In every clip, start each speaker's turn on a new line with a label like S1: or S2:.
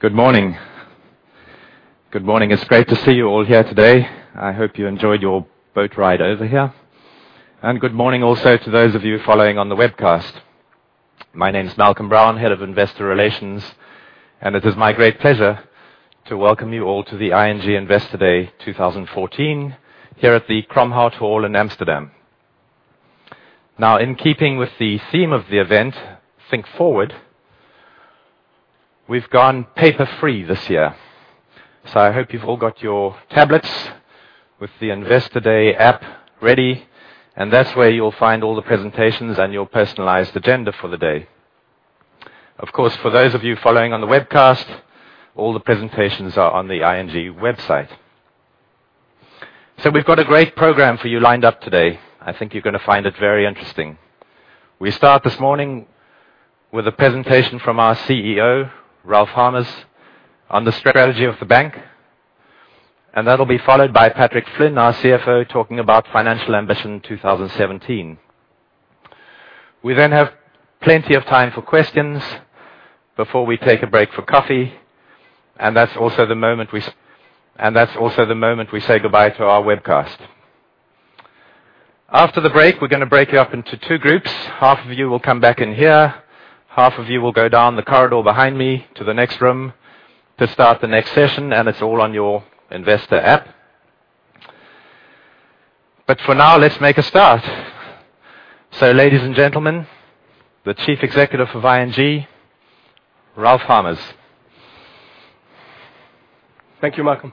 S1: Good morning. Good morning. It's great to see you all here today. I hope you enjoyed your boat ride over here. Good morning also to those of you following on the webcast. My name is Malcolm Brown, Head of Investor Relations, and it is my great pleasure to welcome you all to the ING Investor Day 2014 here at the Kromhouthal in Amsterdam. In keeping with the theme of the event, Think Forward, we've gone paper-free this year. I hope you've all got your tablets with the Investor Day app ready, and that's where you'll find all the presentations and your personalized agenda for the day. For those of you following on the webcast, all the presentations are on the ING website. We've got a great program for you lined up today. I think you're going to find it very interesting. We start this morning with a presentation from our CEO, Ralph Hamers, on the strategy of the bank. That'll be followed by Patrick Flynn, our CFO, talking about financial ambition 2017. We have plenty of time for questions before we take a break for coffee, and that's also the moment we say goodbye to our webcast. After the break, we're going to break you up into two groups. Half of you will come back in here, half of you will go down the corridor behind me to the next room to start the next session, and it's all on your investor app. For now, let's make a start. Ladies and gentlemen, the Chief Executive of ING, Ralph Hamers.
S2: Thank you, Malcolm.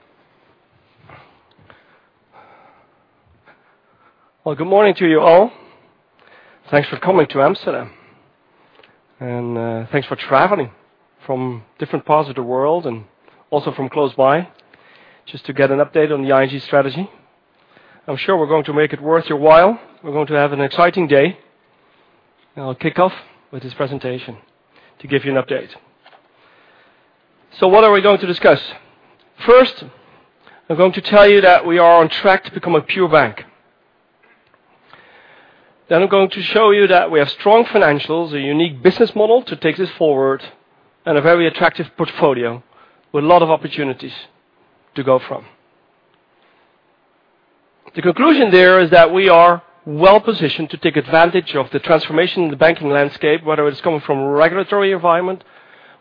S2: Well, good morning to you all. Thanks for coming to Amsterdam. Thanks for traveling from different parts of the world and also from close by just to get an update on the ING strategy. I'm sure we're going to make it worth your while. We're going to have an exciting day, and I'll kick off with this presentation to give you an update. What are we going to discuss? First, I'm going to tell you that we are on track to become a pure bank. I'm going to show you that we have strong financials, a unique business model to take this forward, and a very attractive portfolio with a lot of opportunities to go from. The conclusion there is that we are well-positioned to take advantage of the transformation in the banking landscape, whether it's coming from regulatory environment,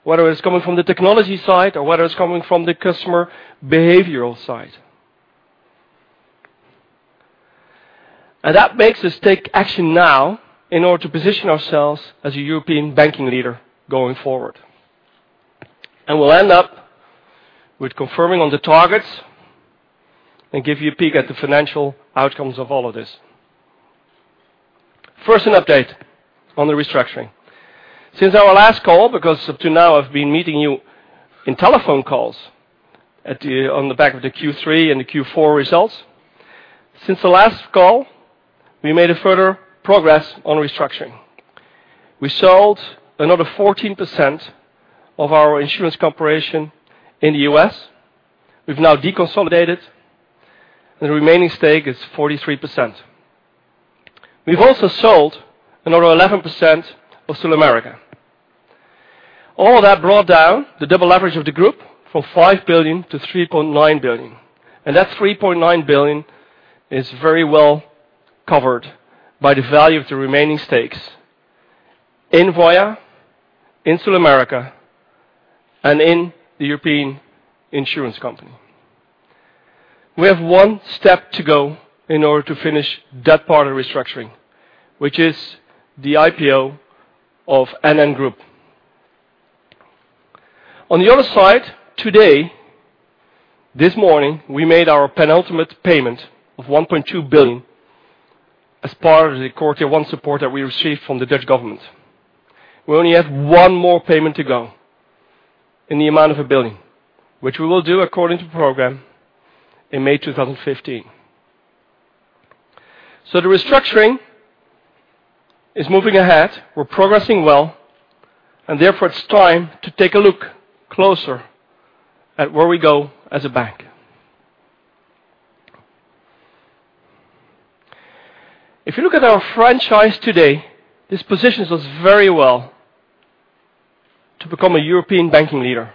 S2: whether it's coming from the technology side, or whether it's coming from the customer behavioral side. That makes us take action now in order to position ourselves as a European banking leader going forward. We'll end up with confirming on the targets and give you a peek at the financial outcomes of all of this. First, an update on the restructuring. Since our last call, because up to now, I've been meeting you in telephone calls on the back of the Q3 and the Q4 results. Since the last call, we made a further progress on restructuring. We sold another 14% of our insurance corporation in the U.S. We've now deconsolidated, and the remaining stake is 43%. We've also sold another 11% of SulAmérica. All of that brought down the double leverage of the group from 5 billion to 3.9 billion. That 3.9 billion is very well covered by the value of the remaining stakes in Voya, in SulAmérica, and in the European Insurance Company. We have one step to go in order to finish that part of restructuring, which is the IPO of NN Group. On the other side, today, this morning, we made our penultimate payment of 1.2 billion as part of the Quarter One support that we received from the Dutch government. We only have one more payment to go in the amount of 1 billion, which we will do according to program in May 2015. The restructuring is moving ahead. We're progressing well, and therefore, it's time to take a look closer at where we go as a bank. If you look at our franchise today, this positions us very well to become a European banking leader.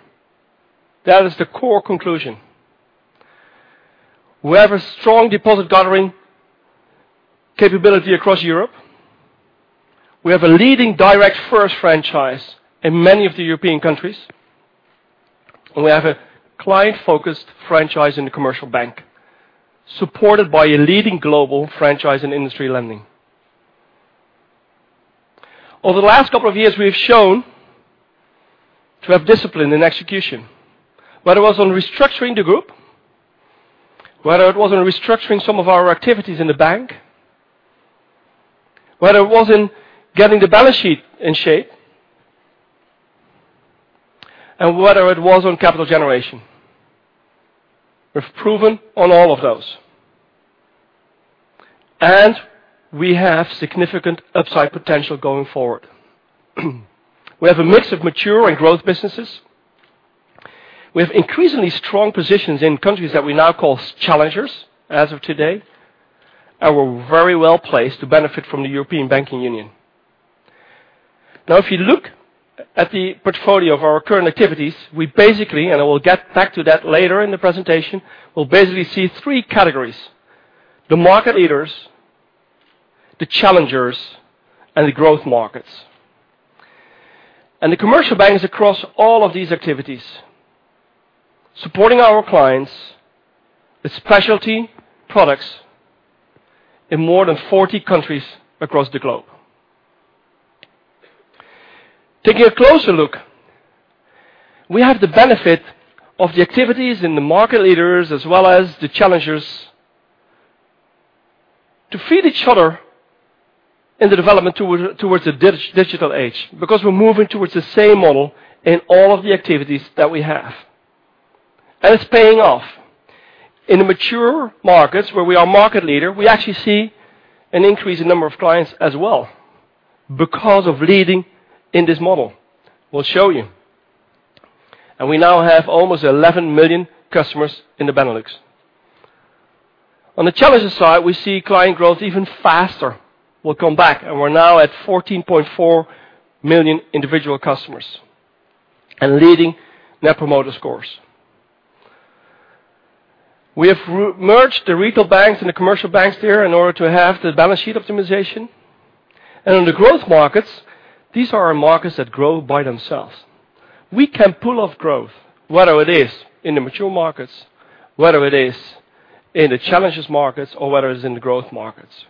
S2: That is the core conclusion. We have a strong deposit-gathering capability across Europe. We have a leading direct first franchise in many of the European countries, and we have a client-focused franchise in the commercial bank, supported by a leading global franchise in industry lending. Over the last couple of years, we have shown to have discipline and execution, whether it was on restructuring the group, whether it was on restructuring some of our activities in the bank, whether it was in getting the balance sheet in shape, and whether it was on capital generation. We've proven on all of those. We have significant upside potential going forward. We have a mix of mature and growth businesses. We have increasingly strong positions in countries that we now call challengers as of today, and we're very well-placed to benefit from the European Banking Union. If you look at the portfolio of our current activities, and I will get back to that later in the presentation, we'll basically see three categories: the market leaders, the challengers, and the growth markets. The commercial banks across all of these activities, supporting our clients with specialty products in more than 40 countries across the globe. Taking a closer look, we have the benefit of the activities in the market leaders as well as the challengers to feed each other in the development towards the digital age because we're moving towards the same model in all of the activities that we have. It's paying off. In the mature markets, where we are market leader, we actually see an increase in number of clients as well because of leading in this model. We'll show you. We now have almost 11 million customers in the Benelux. On the challengers side, we see client growth even faster. We'll come back, and we're now at 14.4 million individual customers and leading Net Promoter Scores. We have merged the retail banks and the commercial banks there in order to have the balance sheet optimization. In the growth markets, these are our markets that grow by themselves. We can pull off growth whether it is in the mature markets, whether it is in the challengers markets, or whether it's in the growth markets.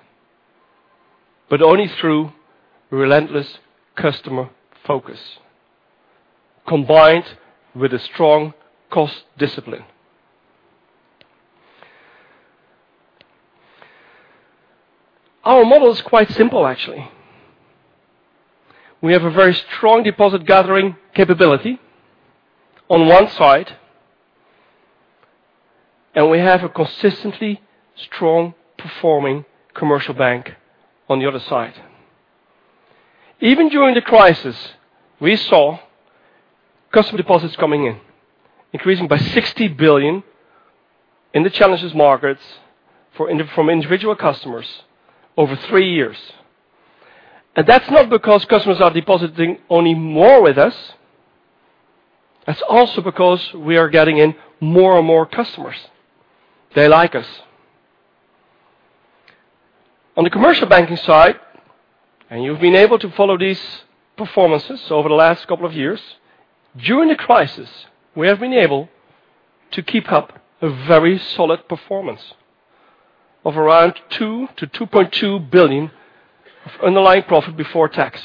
S2: Only through relentless customer focus combined with a strong cost discipline. Our model is quite simple, actually. We have a very strong deposit gathering capability on one side, we have a consistently strong-performing commercial bank on the other side. Even during the crisis, we saw customer deposits coming in, increasing by 60 billion in the challengers markets from individual customers over three years. That's not because customers are depositing only more with us. That's also because we are getting in more and more customers. They like us. On the commercial banking side, you've been able to follow these performances over the last couple of years, during the crisis, we have been able to keep up a very solid performance of around 2 billion-2.2 billion of underlying profit before tax,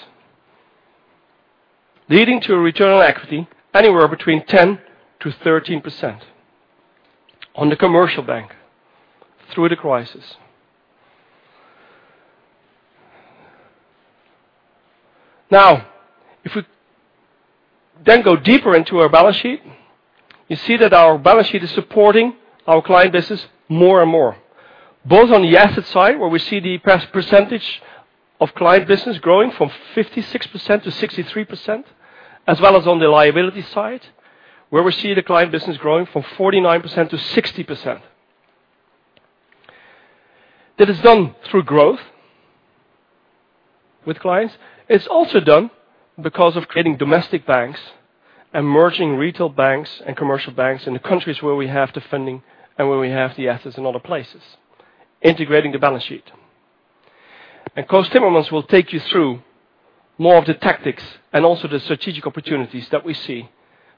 S2: leading to a return on equity anywhere between 10%-13% on the commercial bank through the crisis. If we go deeper into our balance sheet, you see that our balance sheet is supporting our client business more and more, both on the asset side where we see the percentage of client business growing from 56%-63%, as well as on the liability side, where we see the client business growing from 49%-60%. That is done through growth with clients. It's also done because of creating domestic banks and merging retail banks and commercial banks in the countries where we have the funding and where we have the assets in other places, integrating the balance sheet. Koos Timmermans will take you through more of the tactics and also the strategic opportunities that we see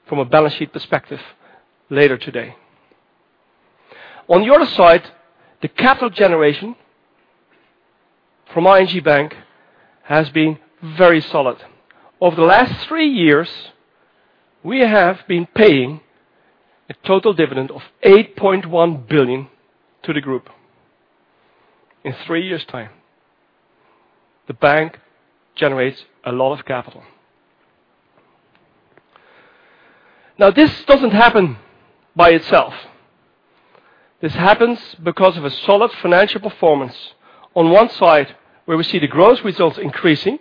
S2: from a balance sheet perspective later today. On the other side, the capital generation from ING Bank has been very solid. Over the last three years, we have been paying a total dividend of 8.1 billion to the group in three years' time. The bank generates a lot of capital. This doesn't happen by itself. This happens because of a solid financial performance on one side, where we see the growth results increasing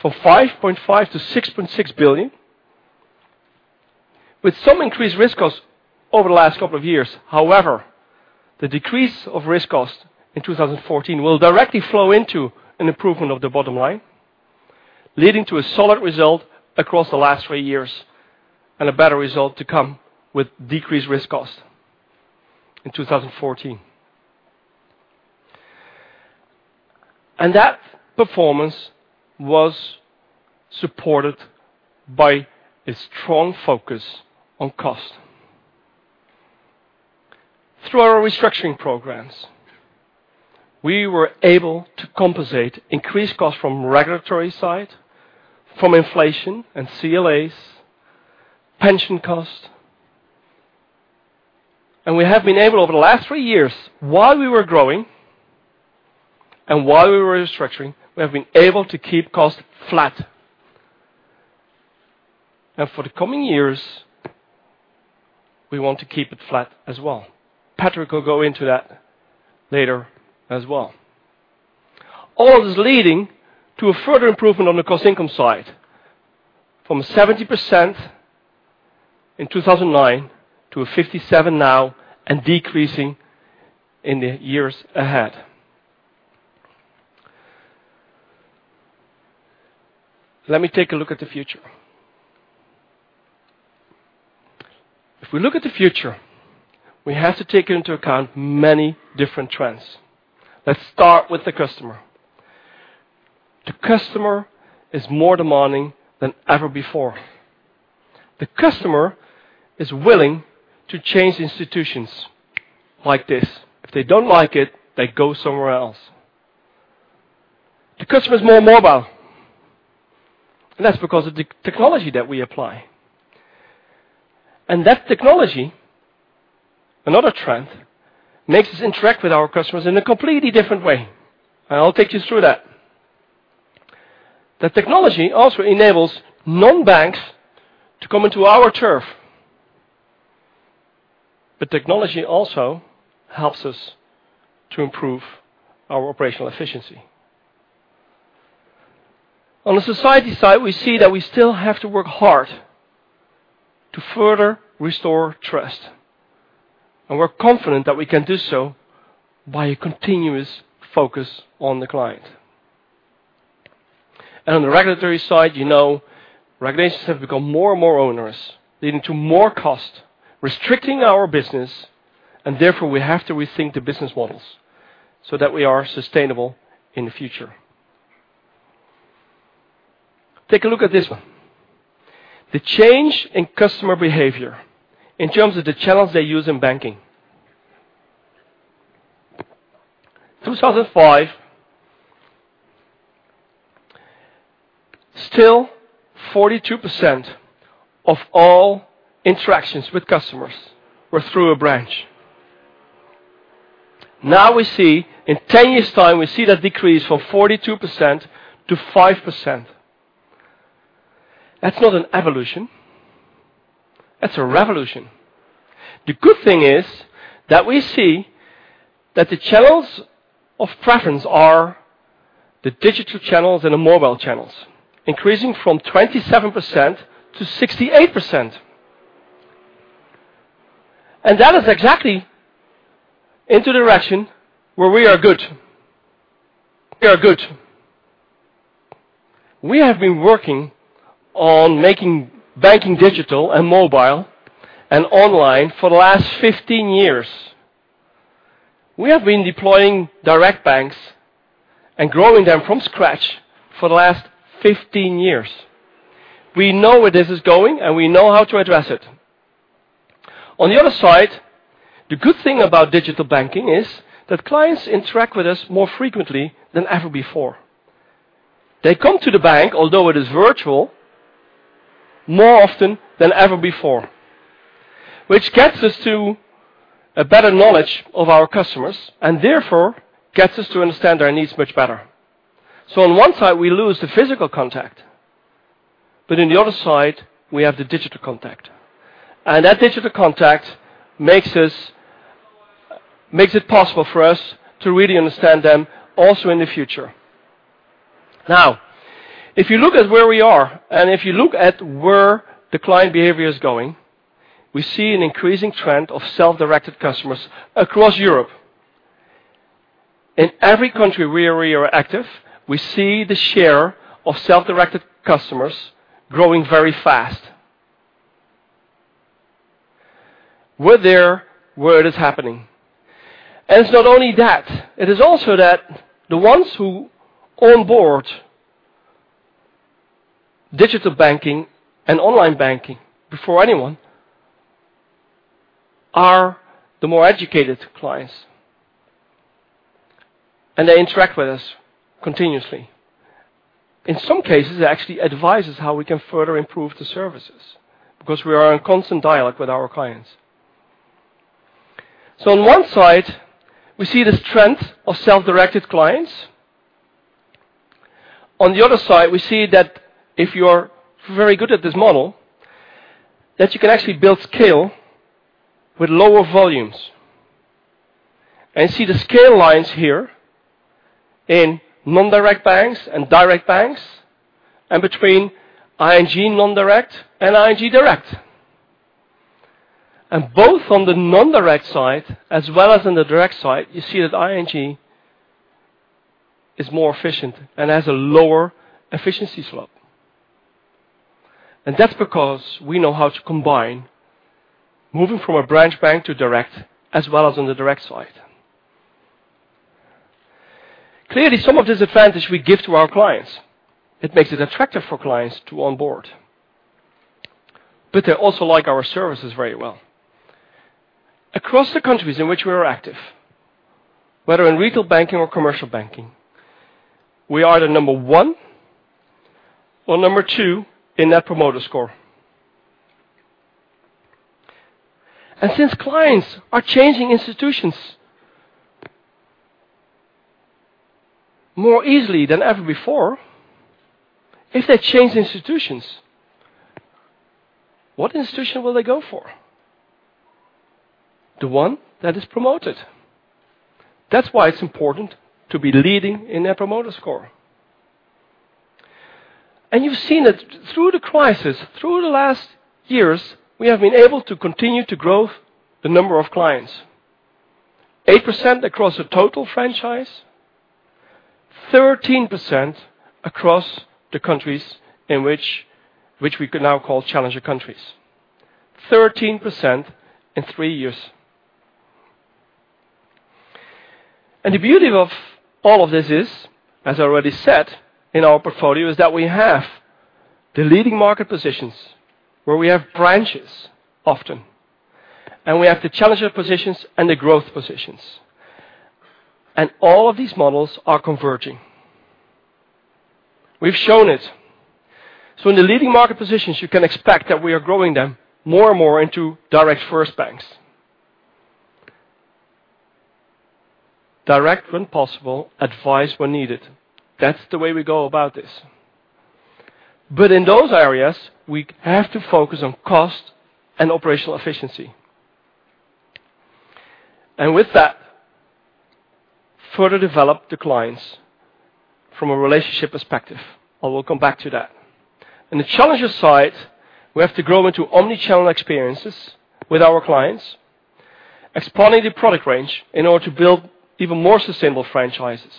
S2: from 5.5 billion-6.6 billion with some increased risk cost over the last couple of years. However, the decrease of risk cost in 2014 will directly flow into an improvement of the bottom line, leading to a solid result across the last three years and a better result to come with decreased risk cost in 2014. That performance was supported by a strong focus on cost. Through our restructuring programs, we were able to compensate increased cost from regulatory side, from inflation and CLAs, pension cost, we have been able, over the last three years, while we were growing and while we were restructuring, we have been able to keep cost flat. For the coming years, we want to keep it flat as well. Patrick will go into that later as well. All is leading to a further improvement on the cost-income side from 70% in 2009 to 57% now and decreasing in the years ahead. Let me take a look at the future. If we look at the future, we have to take into account many different trends. Let's start with the customer. The customer is more demanding than ever before. The customer is willing to change institutions like this. If they don't like it, they go somewhere else. The customer is more mobile, that's because of the technology that we apply. That technology, another trend, makes us interact with our customers in a completely different way. I'll take you through that. Technology also enables non-banks to come into our turf. Technology also helps us to improve our operational efficiency. On the society side, we see that we still have to work hard to further restore trust. We're confident that we can do so by a continuous focus on the client. On the regulatory side, you know regulations have become more and more onerous, leading to more cost, restricting our business, and therefore we have to rethink the business models so that we are sustainable in the future. Take a look at this one. The change in customer behavior in terms of the channels they use in banking. 2005, still 42% of all interactions with customers were through a branch. Now we see in 10 years' time, we see that decrease from 42% to 5%. That's not an evolution. That's a revolution. The good thing is that we see that the channels of preference are the digital channels and the mobile channels, increasing from 27% to 68%. That is exactly in the direction where we are good. We are good. We have been working on making banking digital and mobile and online for the last 15 years. We have been deploying direct banks and growing them from scratch for the last 15 years. We know where this is going, and we know how to address it. On the other side, the good thing about digital banking is that clients interact with us more frequently than ever before. They come to the bank, although it is virtual, more often than ever before, which gets us to a better knowledge of our customers and therefore gets us to understand their needs much better. On one side, we lose the physical contact, but in the other side, we have the digital contact. That digital contact makes it possible for us to really understand them also in the future. If you look at where we are and if you look at where the client behavior is going, we see an increasing trend of self-directed customers across Europe. In every country where we are active, we see the share of self-directed customers growing very fast. We're there where it is happening. It's not only that. It is also that the ones who onboard digital banking and online banking before anyone are the more educated clients, and they interact with us continuously. In some cases, they actually advise us how we can further improve the services because we are in constant dialogue with our clients. On one side, we see this trend of self-directed clients. On the other side, we see that if you're very good at this model, that you can actually build scale with lower volumes. See the scale lines here in non-direct banks and direct banks, and between ING non-direct and ING Direct. Both on the non-direct side as well as on the direct side, you see that ING is more efficient and has a lower efficiency slope. That's because we know how to combine moving from a branch bank to direct as well as on the direct side. Clearly, some of this advantage we give to our clients. It makes it attractive for clients to onboard. They also like our services very well. Across the countries in which we are active, whether in retail banking or commercial banking, we are the number one or number two in Net Promoter Score. Since clients are changing institutions more easily than ever before, if they change institutions, what institution will they go for? The one that is promoted. That's why it's important to be leading in Net Promoter Score. You've seen it through the crisis, through the last years, we have been able to continue to grow the number of clients, 8% across the total franchise, 13% across the countries in which we could now call challenger countries. 13% in three years. The beauty of all of this is, as I already said, in our portfolio is that we have the leading market positions where we have branches often, and we have the challenger positions and the growth positions. All of these models are converging. We've shown it. In the leading market positions, you can expect that we are growing them more and more into direct first banks. Direct when possible, advice when needed. That's the way we go about this. In those areas, we have to focus on cost and operational efficiency. With that, further develop the clients from a relationship perspective. I will come back to that. On the challenger side, we have to grow into omni-channel experiences with our clients, expanding the product range in order to build even more sustainable franchises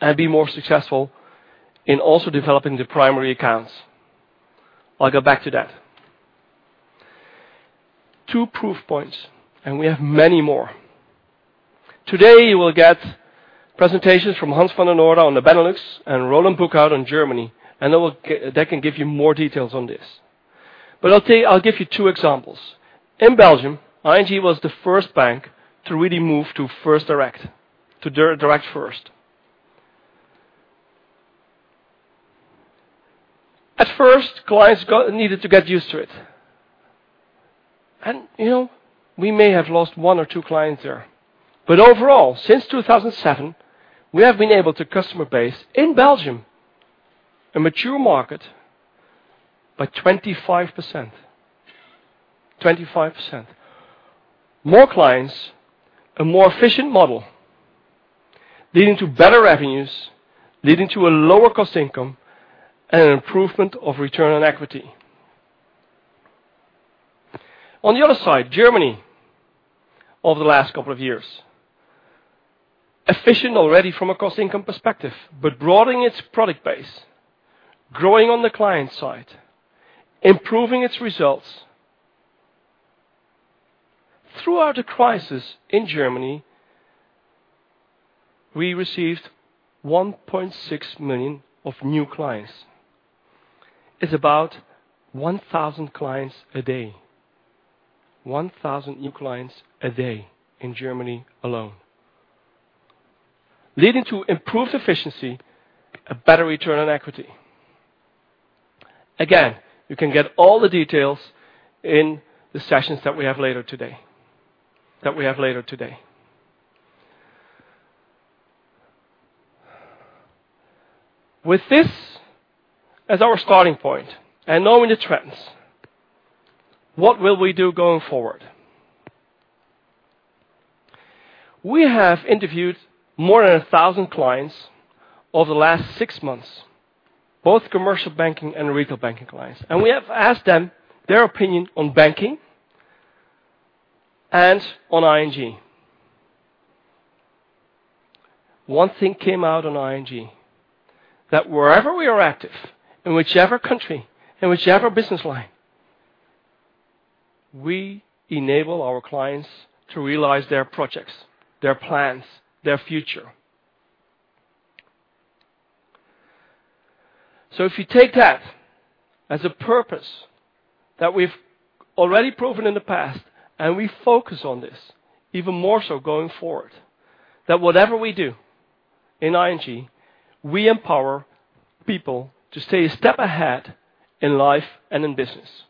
S2: and be more successful in also developing the primary accounts. I'll go back to that. Two proof points, and we have many more. Today, you will get presentations from Hans van der Noordaa on the Benelux and Roland Boekhout out in Germany, and they can give you more details on this. I'll give you two examples. In Belgium, ING was the first bank to really move to direct first. At first, clients needed to get used to it. We may have lost one or two clients there. Overall, since 2007, we have been able to customer base in Belgium, a mature market, by 25%. More clients, a more efficient model, leading to better revenues, leading to a lower cost income, and an improvement of return on equity. On the other side, Germany, over the last couple of years. Efficient already from a cost income perspective, but broadening its product base, growing on the client side, improving its results. Throughout the crisis in Germany, we received 1.6 million of new clients. It's about 1,000 clients a day. 1,000 new clients a day in Germany alone. Leading to improved efficiency, a better return on equity. Again, you can get all the details in the sessions that we have later today. With this as our starting point and knowing the trends, what will we do going forward? We have interviewed more than 1,000 clients over the last six months, both commercial banking and retail banking clients. We have asked them their opinion on banking and on ING. One thing came out on ING, that wherever we are active, in whichever country, in whichever business line, we enable our clients to realize their projects, their plans, their future. If you take that as a purpose that we've already proven in the past and we focus on this even more so going forward, that whatever we do in ING, we empower people to stay a step ahead in life and in business.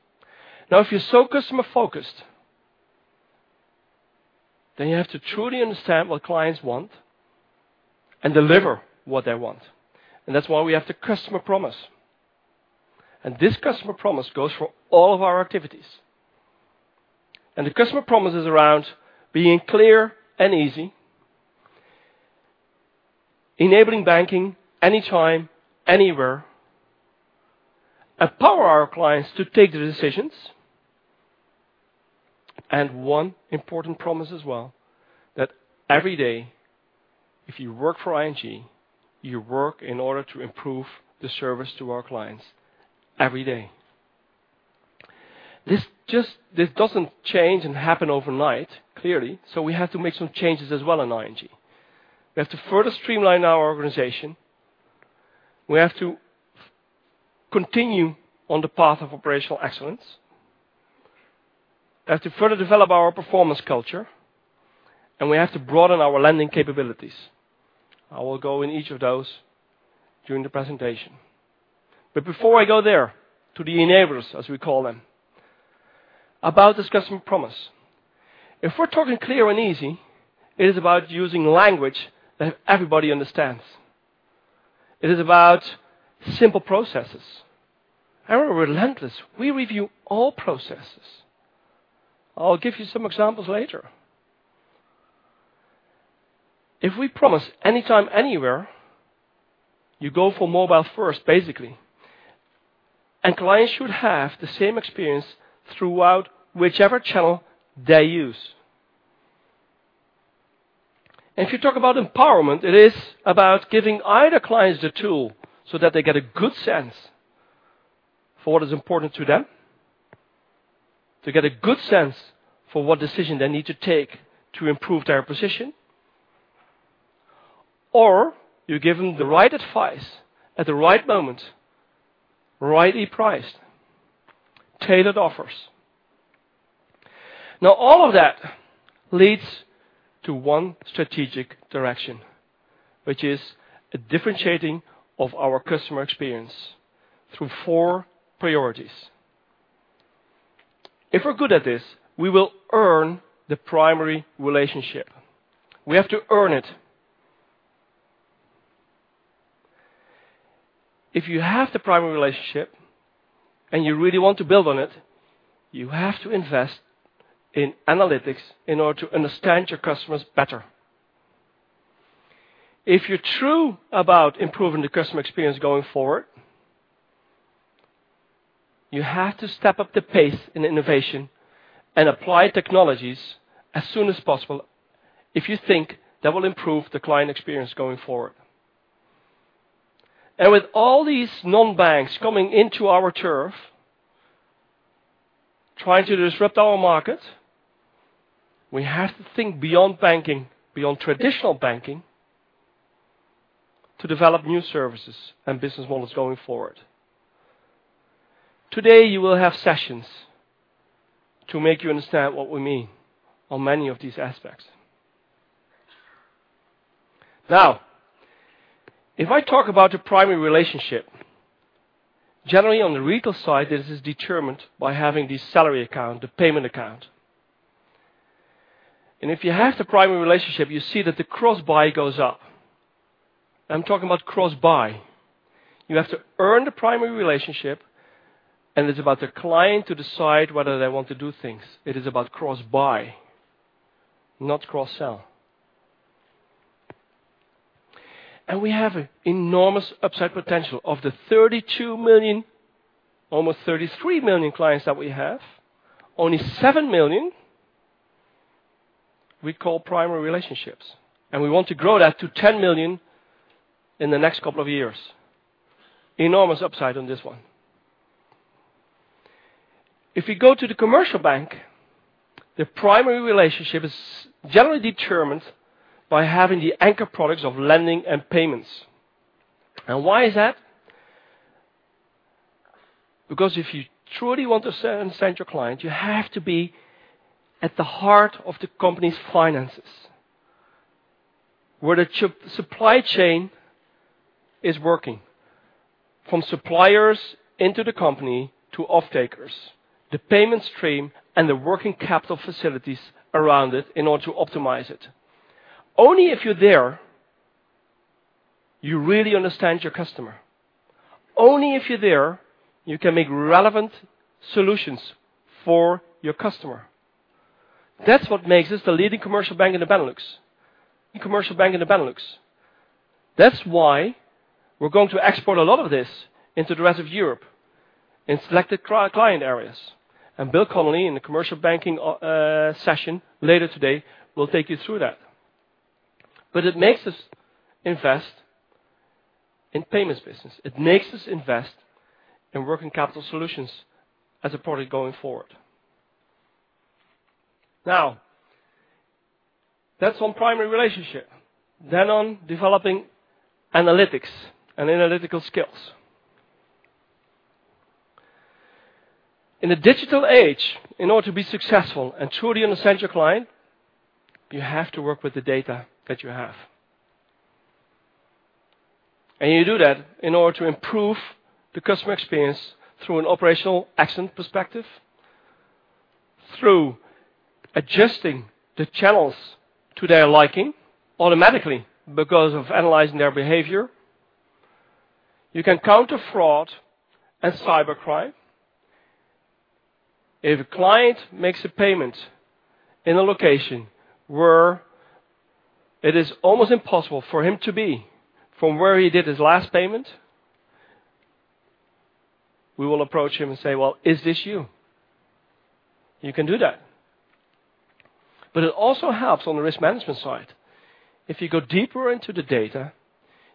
S2: If you're so customer-focused, you have to truly understand what clients want and deliver what they want. That's why we have the customer promise. This customer promise goes for all of our activities. The customer promise is around being clear and easy, enabling banking anytime, anywhere, empower our clients to take the decisions. One important promise as well, that every day, if you work for ING, you work in order to improve the service to our clients every day. This doesn't change and happen overnight, clearly, we have to make some changes as well in ING. We have to further streamline our organization. We have to continue on the path of operational excellence. We have to further develop our performance culture. We have to broaden our lending capabilities. I will go in each of those during the presentation. Before I go there to the enablers, as we call them, about this customer promise. If we're talking clear and easy, it is about using language that everybody understands. It is about simple processes. We're relentless. We review all processes. I'll give you some examples later. If we promise anytime, anywhere, you go for mobile first, basically, clients should have the same experience throughout whichever channel they use. If you talk about empowerment, it is about giving either clients the tool so that they get a good sense for what is important to them, to get a good sense for what decision they need to take to improve their position, or you give them the right advice at the right moment, rightly priced, tailored offers. All of that leads to one strategic direction, which is a differentiating of our customer experience through four priorities. If we're good at this, we will earn the primary relationship. We have to earn it. If you have the primary relationship and you really want to build on it, you have to invest in analytics in order to understand your customers better. If you're true about improving the customer experience going forward, you have to step up the pace in innovation and apply technologies as soon as possible if you think that will improve the client experience going forward. With all these non-banks coming into our turf, trying to disrupt our market, we have to think beyond traditional banking, to develop new services and business models going forward. Today, you will have sessions to make you understand what we mean on many of these aspects. If I talk about the primary relationship, generally on the retail side, this is determined by having the salary account, the payment account. If you have the primary relationship, you see that the cross-buy goes up. I'm talking about cross-buy. You have to earn the primary relationship, and it's about the client to decide whether they want to do things. It is about cross-buy, not cross-sell. We have enormous upside potential. Of the 32 million, almost 33 million clients that we have, only 7 million we call primary relationships, and we want to grow that to 10 million in the next couple of years. Enormous upside on this one. If we go to the commercial bank, the primary relationship is generally determined by having the anchor products of lending and payments. Why is that? If you truly want to understand your client, you have to be at the heart of the company's finances, where the supply chain is working, from suppliers into the company to off-takers, the payment stream, and the working capital facilities around it in order to optimize it. Only if you're there, you really understand your customer. Only if you're there, you can make relevant solutions for your customer. That's what makes us the leading commercial bank in the Benelux. That's why we're going to export a lot of this into the rest of Europe in selected client areas. Bill Connelly in the commercial banking session later today will take you through that. It makes us invest in payments business. It makes us invest in working capital solutions as a product going forward. That's on primary relationship. On developing analytics and analytical skills. In a digital age, in order to be successful and truly understand your client, you have to work with the data that you have. You do that in order to improve the customer experience through an operational excellent perspective, through adjusting the channels to their liking automatically because of analyzing their behavior. You can counter fraud and cybercrime. If a client makes a payment in a location where it is almost impossible for him to be from where he did his last payment, we will approach him and say, "Well, is this you?" You can do that. It also helps on the risk management side. If you go deeper into the data,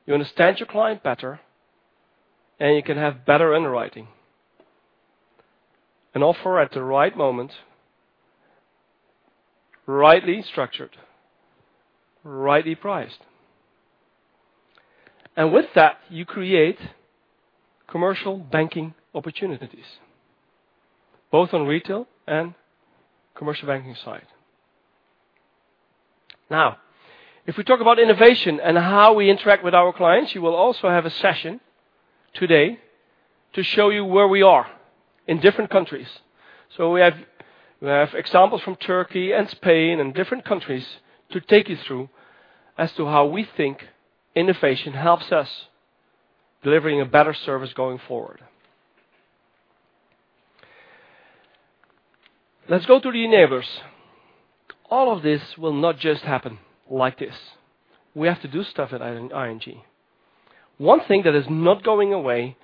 S2: you understand your client better, and you can have better underwriting. An offer at the right moment, rightly structured, rightly priced. With that, you create commercial banking opportunities, both on retail and commercial banking side. If we talk about innovation and how we interact with our clients, you will also have a session today to show you where we are in different countries. We have examples from Turkey and Spain and different countries to take you through as to how we think innovation helps us delivering a better service going forward. Let's go to the enablers. All of this will not just happen like this. We have to do stuff at ING. One thing that is not going away,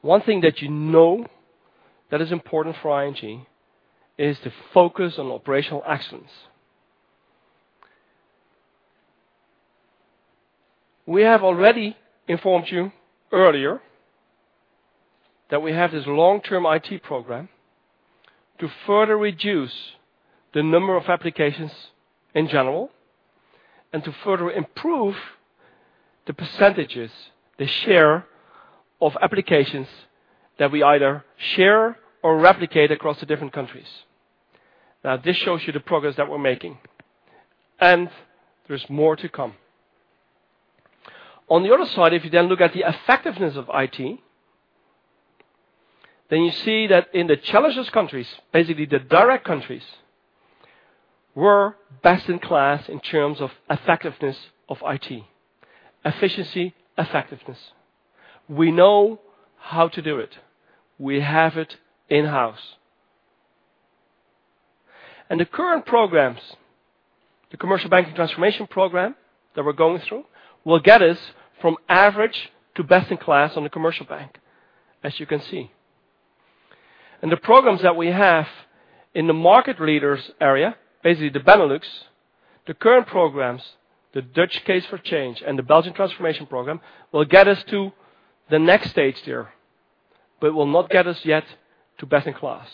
S2: one thing that you know that is important for ING, is the focus on operational excellence. We have already informed you earlier that we have this long-term IT program to further reduce the number of applications in general and to further improve the percentages, the share of applications that we either share or replicate across the different countries. This shows you the progress that we're making, and there's more to come. On the other side, if you look at the effectiveness of IT, you see that in the challenges countries, basically the direct countries, we're best in class in terms of effectiveness of IT. Efficiency, effectiveness. We know how to do it. We have it in-house. The current programs, the commercial banking transformation program that we're going through, will get us from average to best in class on the commercial bank, as you can see. The programs that we have in the market leaders area, basically the Benelux, the current programs, the Dutch Case for Change and the Belgian Transformation Program, will get us to the next stage there, but will not get us yet to best in class.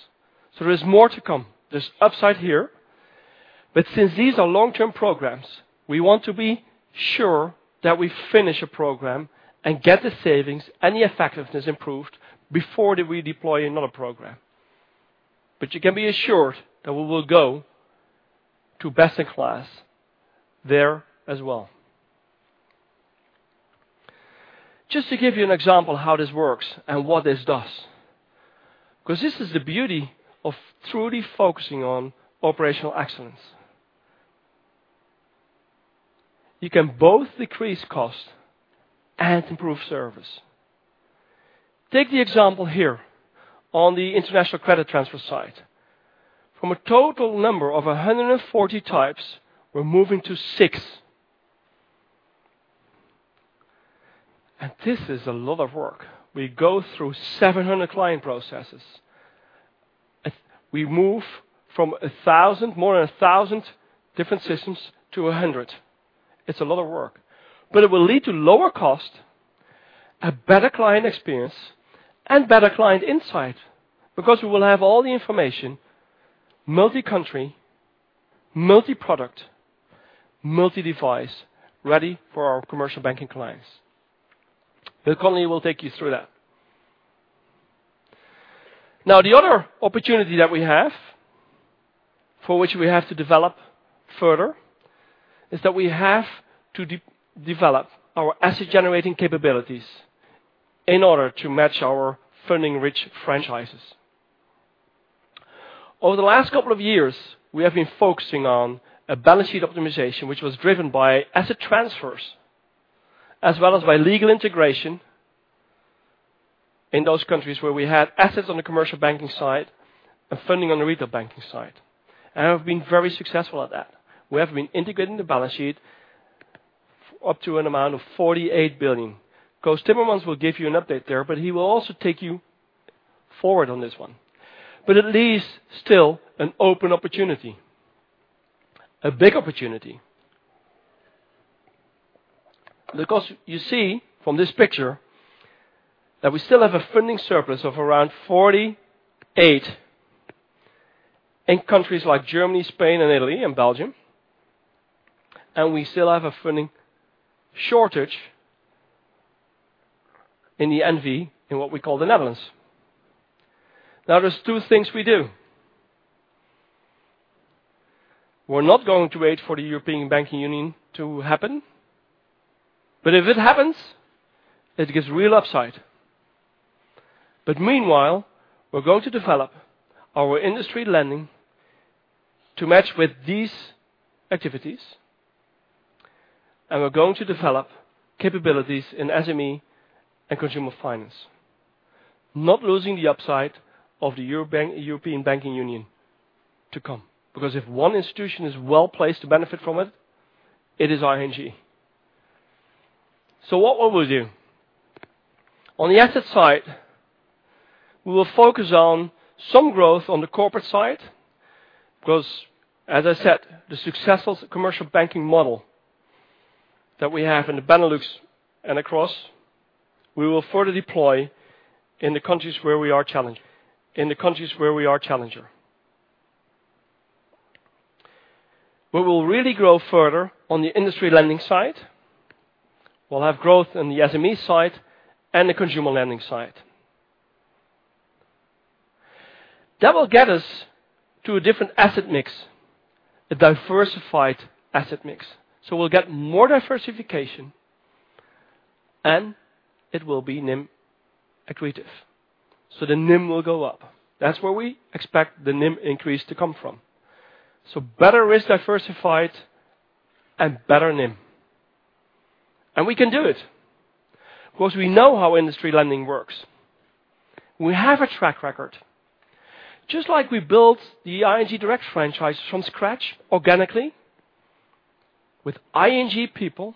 S2: There's more to come. There's upside here. Since these are long-term programs, we want to be sure that we finish a program and get the savings and the effectiveness improved before we deploy another program. You can be assured that we will go to best in class there as well. Just to give you an example how this works and what this does, because this is the beauty of truly focusing on operational excellence. You can both decrease cost and improve service. Take the example here on the international credit transfer side. From a total number of 140 types, we're moving to 6. This is a lot of work. We go through 700 client processes. We move from more than 1,000 different systems to 100. It's a lot of work. It will lead to lower cost, a better client experience, and better client insight because we will have all the information, multi-country, multi-product, multi-device, ready for our commercial banking clients. Connie will take you through that. The other opportunity that we have for which we have to develop further is that we have to develop our asset-generating capabilities in order to match our funding-rich franchises. Over the last couple of years, we have been focusing on a balance sheet optimization, which was driven by asset transfers as well as by legal integration in those countries where we had assets on the commercial banking side and funding on the retail banking side. Have been very successful at that. We have been integrating the balance sheet up to an amount of 48 billion. Koos Timmermans will give you an update there, but he will also take you forward on this one. It leaves still an open opportunity, a big opportunity. Because you see from this picture that we still have a funding surplus of around 48 in countries like Germany, Spain, and Italy and Belgium, and we still have a funding shortage in the NV, in what we call the Netherlands. There's two things we do. We're not going to wait for the European Banking Union to happen. If it happens, it gives real upside. Meanwhile, we're going to develop our industry lending to match with these activities. We're going to develop capabilities in SME and consumer finance. Not losing the upside of the European Banking Union to come. Because if one institution is well-placed to benefit from it is ING. What will we do? On the asset side, we will focus on some growth on the corporate side, because as I said, the successful commercial banking model that we have in the Benelux and across, we will further deploy in the countries where we are challenger. We will really grow further on the industry lending side. We'll have growth in the SME side and the consumer lending side. We'll get more diversification, and it will be NIM accretive. The NIM will go up. That's where we expect the NIM increase to come from. Better risk diversified and better NIM. We can do it because we know how industry lending works. We have a track record. Just like we built the ING Direct franchise from scratch organically with ING people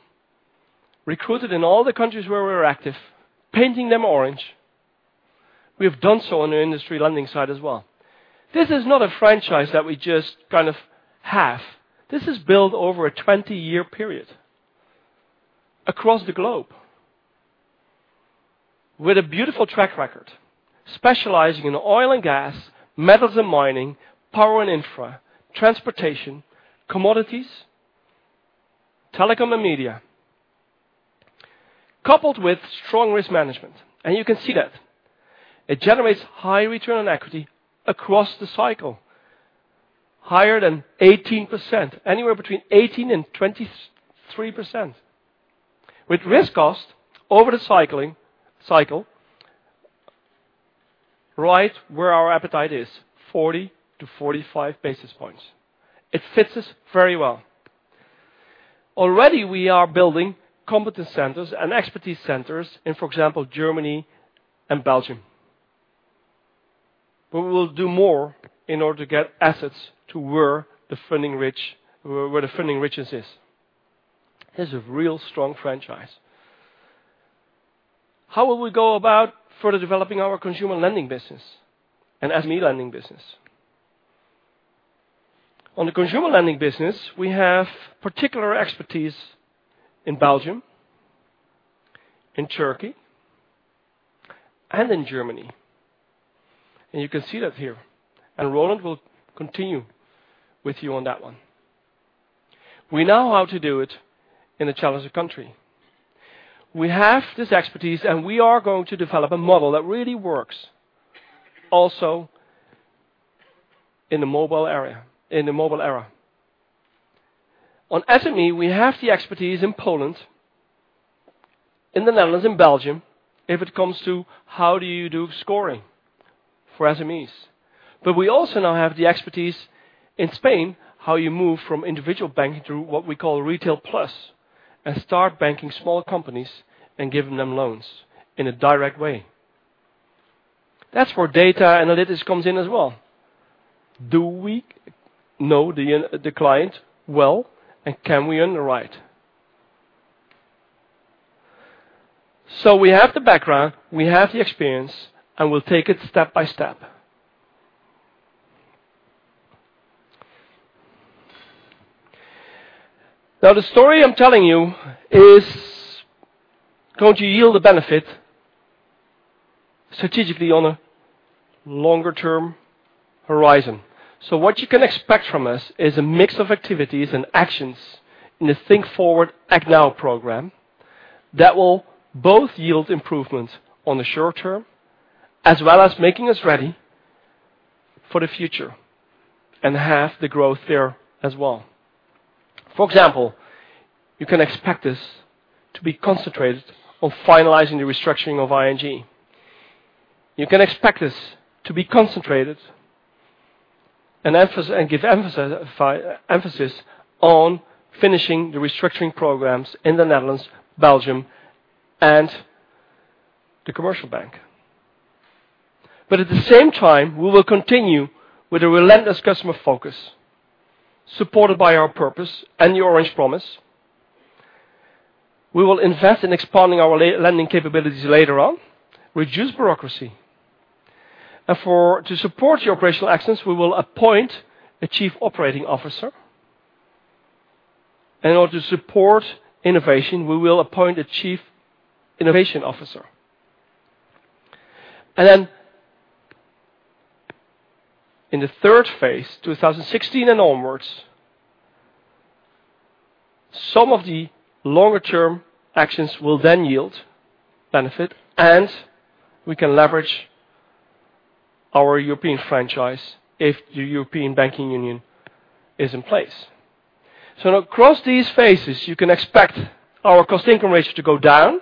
S2: recruited in all the countries where we're active, painting them orange, we have done so on the industry lending side as well. This is not a franchise that we just have. This is built over a 20-year period across the globe with a beautiful track record, specializing in oil and gas, metals and mining, power and infra, transportation, commodities, telecom and media, coupled with strong risk management, and you can see that. It generates high return on equity across the cycle, higher than 18%, anywhere between 18% and 23%, with risk cost over the cycle right where our appetite is, 40 to 45 basis points. It fits us very well. Already we are building competence centers and expertise centers in, for example, Germany and Belgium. We will do more in order to get assets to where the funding riches is. This is a real strong franchise. How will we go about further developing our consumer lending business and SME lending business? On the consumer lending business, we have particular expertise in Belgium, in Turkey, and in Germany, and Roland will continue with you on that one. We know how to do it in a challenging country. We have this expertise, we are going to develop a model that really works also in the mobile era. On SME, we have the expertise in Poland, in the Netherlands, in Belgium, if it comes to how do you do scoring for SMEs. We also now have the expertise in Spain, how you move from individual banking to what we call retail plus and start banking small companies and giving them loans in a direct way. That's where data analytics comes in as well. Do we know the client well, and can we underwrite? We have the background, we have the experience, and we'll take it step by step. The story I'm telling you is going to yield a benefit strategically on a longer-term horizon. What you can expect from us is a mix of activities and actions in the Think Forward, Act Now program that will both yield improvements on the short term as well as making us ready for the future and have the growth there as well. For example, you can expect us to be concentrated on finalizing the restructuring of ING. You can expect us to be concentrated and give emphasis on finishing the restructuring programs in the Netherlands, Belgium, and the commercial bank. At the same time, we will continue with a relentless customer focus supported by our purpose and the Orange Promise. We will invest in expanding our lending capabilities later on, reduce bureaucracy. To support the operational excellence, we will appoint a chief operating officer. In order to support innovation, we will appoint a chief innovation officer. In the phase 3, 2016 and onwards, some of the longer-term actions will then yield benefit, and we can leverage our European franchise if the European Banking Union is in place. Across these phases, you can expect our cost-income ratio to go down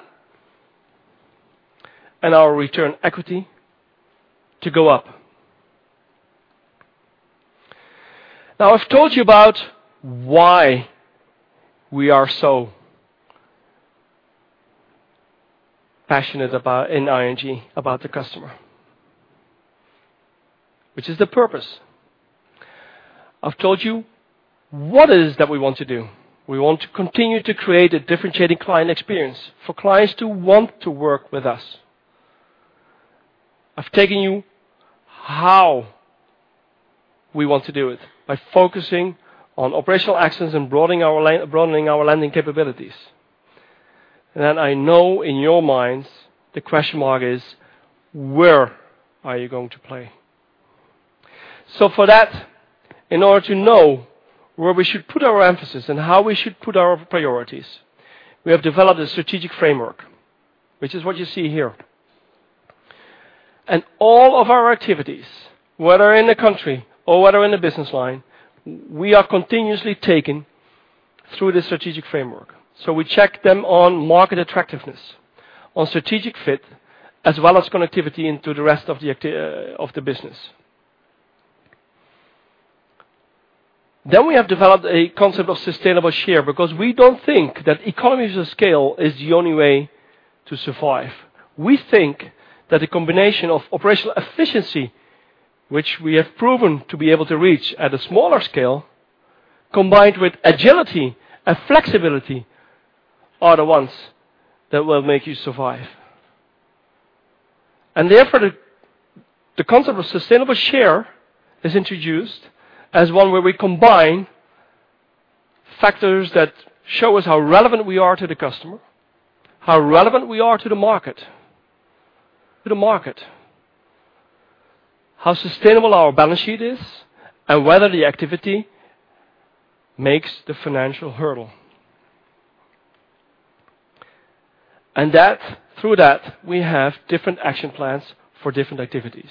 S2: and our return equity to go up. I've told you about why we are so passionate in ING about the customer, which is the purpose. I've told you what is that we want to do. We want to continue to create a differentiating client experience for clients to want to work with us. I've taken you how we want to do it, by focusing on operational excellence and broadening our lending capabilities. I know in your minds, the question mark is where are you going to play? For that, in order to know where we should put our emphasis and how we should put our priorities, we have developed a strategic framework. Which is what you see here. All of our activities, whether in the country or whether in the business line, we are continuously taking through the strategic framework. We check them on market attractiveness, on strategic fit, as well as connectivity into the rest of the business. We have developed a concept of sustainable share because we don't think that economies of scale is the only way to survive. We think that a combination of operational efficiency, which we have proven to be able to reach at a smaller scale, combined with agility and flexibility are the ones that will make you survive. Therefore, the concept of sustainable share is introduced as one where we combine factors that show us how relevant we are to the customer, how relevant we are to the market, how sustainable our balance sheet is, and whether the activity makes the financial hurdle. Through that, we have different action plans for different activities.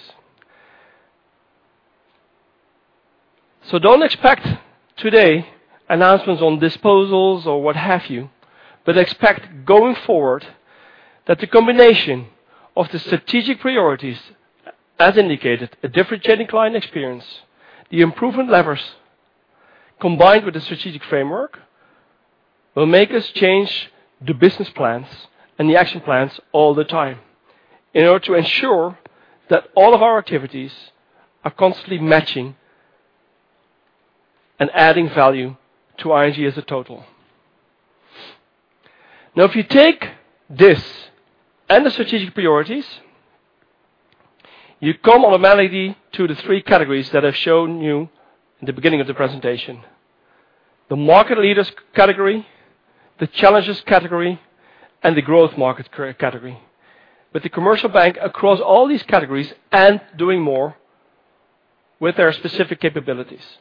S2: Don't expect today announcements on disposals or what have you, but expect going forward that the combination of the strategic priorities as indicated, a differentiating client experience, the improvement levers combined with the strategic framework, will make us change the business plans and the action plans all the time in order to ensure that all of our activities are constantly matching and adding value to ING as a total. If you take this and the strategic priorities, you come automatically to the 3 categories that I've shown you in the beginning of the presentation. The market leaders category, the challengers category, and the growth market category. With the commercial bank across all these categories and doing more with their specific capabilities.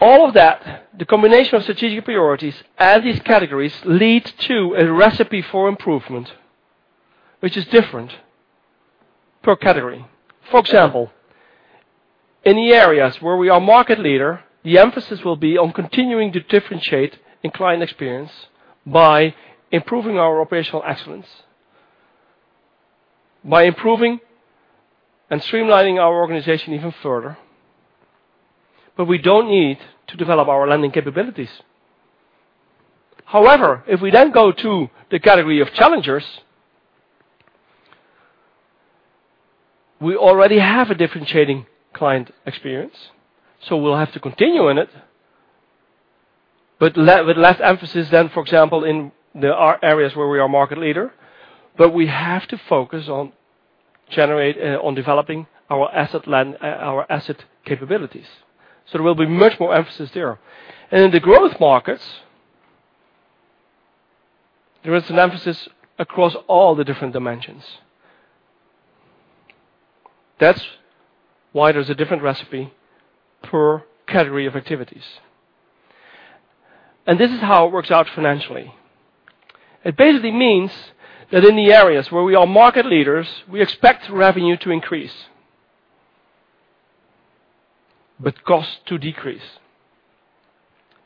S2: The combination of strategic priorities and these categories lead to a recipe for improvement which is different per category. In the areas where we are market leader, the emphasis will be on continuing to differentiate in client experience by improving our operational excellence, by improving and streamlining our organization even further. We don't need to develop our lending capabilities. If we go to the category of challengers, we already have a differentiating client experience, so we'll have to continue in it, but with less emphasis than, for example, in the areas where we are market leader, but we have to focus on developing our asset capabilities. There will be much more emphasis there. In the growth markets, there is an emphasis across all the different dimensions. That's why there's a different recipe per category of activities. This is how it works out financially. It basically means that in the areas where we are market leaders, we expect revenue to increase, but cost to decrease.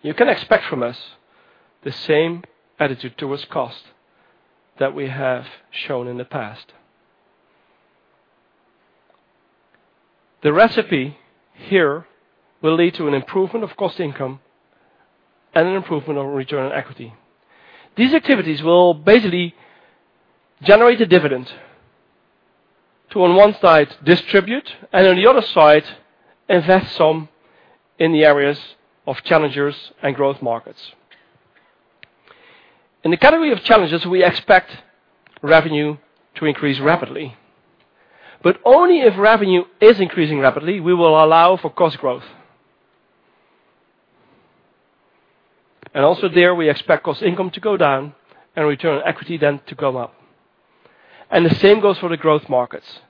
S2: You can expect from us the same attitude towards cost that we have shown in the past. The recipe here will lead to an improvement of cost-income and an improvement of return on equity. These activities will basically generate a dividend to, on one side, distribute, and on the other side, invest some in the areas of challengers and growth markets. In the category of challenges, we expect revenue to increase rapidly, but only if revenue is increasing rapidly we will allow for cost growth. Also there, we expect cost-income to go down and return on equity then to go up. The same goes for the growth markets.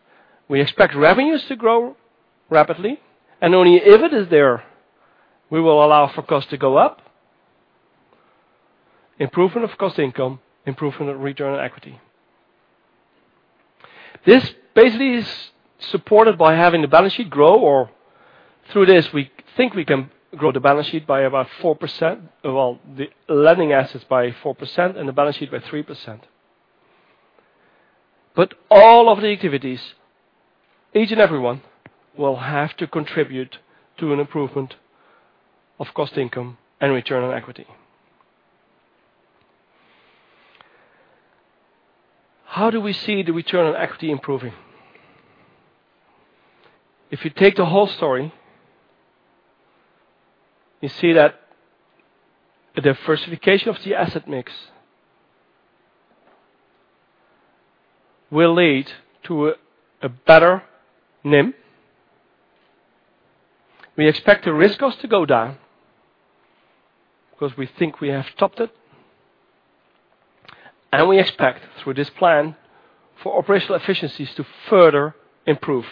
S2: We expect revenues to grow rapidly and only if it is there, we will allow for cost to go up. Improvement of cost-income, improvement of return on equity. This basically is supported by having the balance sheet grow, or through this, we think we can grow the balance sheet by about 4%, well, the lending assets by 4% and the balance sheet by 3%. All of the activities, each and every one, will have to contribute to an improvement of cost-income and return on equity. How do we see the return on equity improving? If you take the whole story, you see that the diversification of the asset mix will lead to a better NIM. We expect the risk cost to go down because we think we have stopped it. We expect through this plan for operational efficiencies to further improve.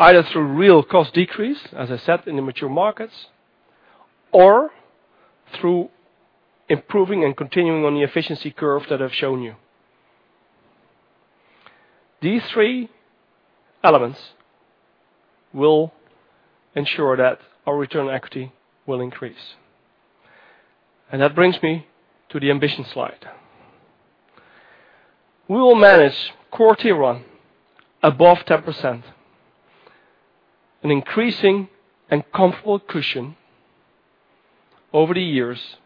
S2: Either through real cost decrease, as I said, in the mature markets, or through improving and continuing on the efficiency curve that I've shown you. These three elements will ensure that our return equity will increase. That brings me to the ambition slide. We will manage Core Tier 1 above 10%, an increasing and comfortable cushion over the years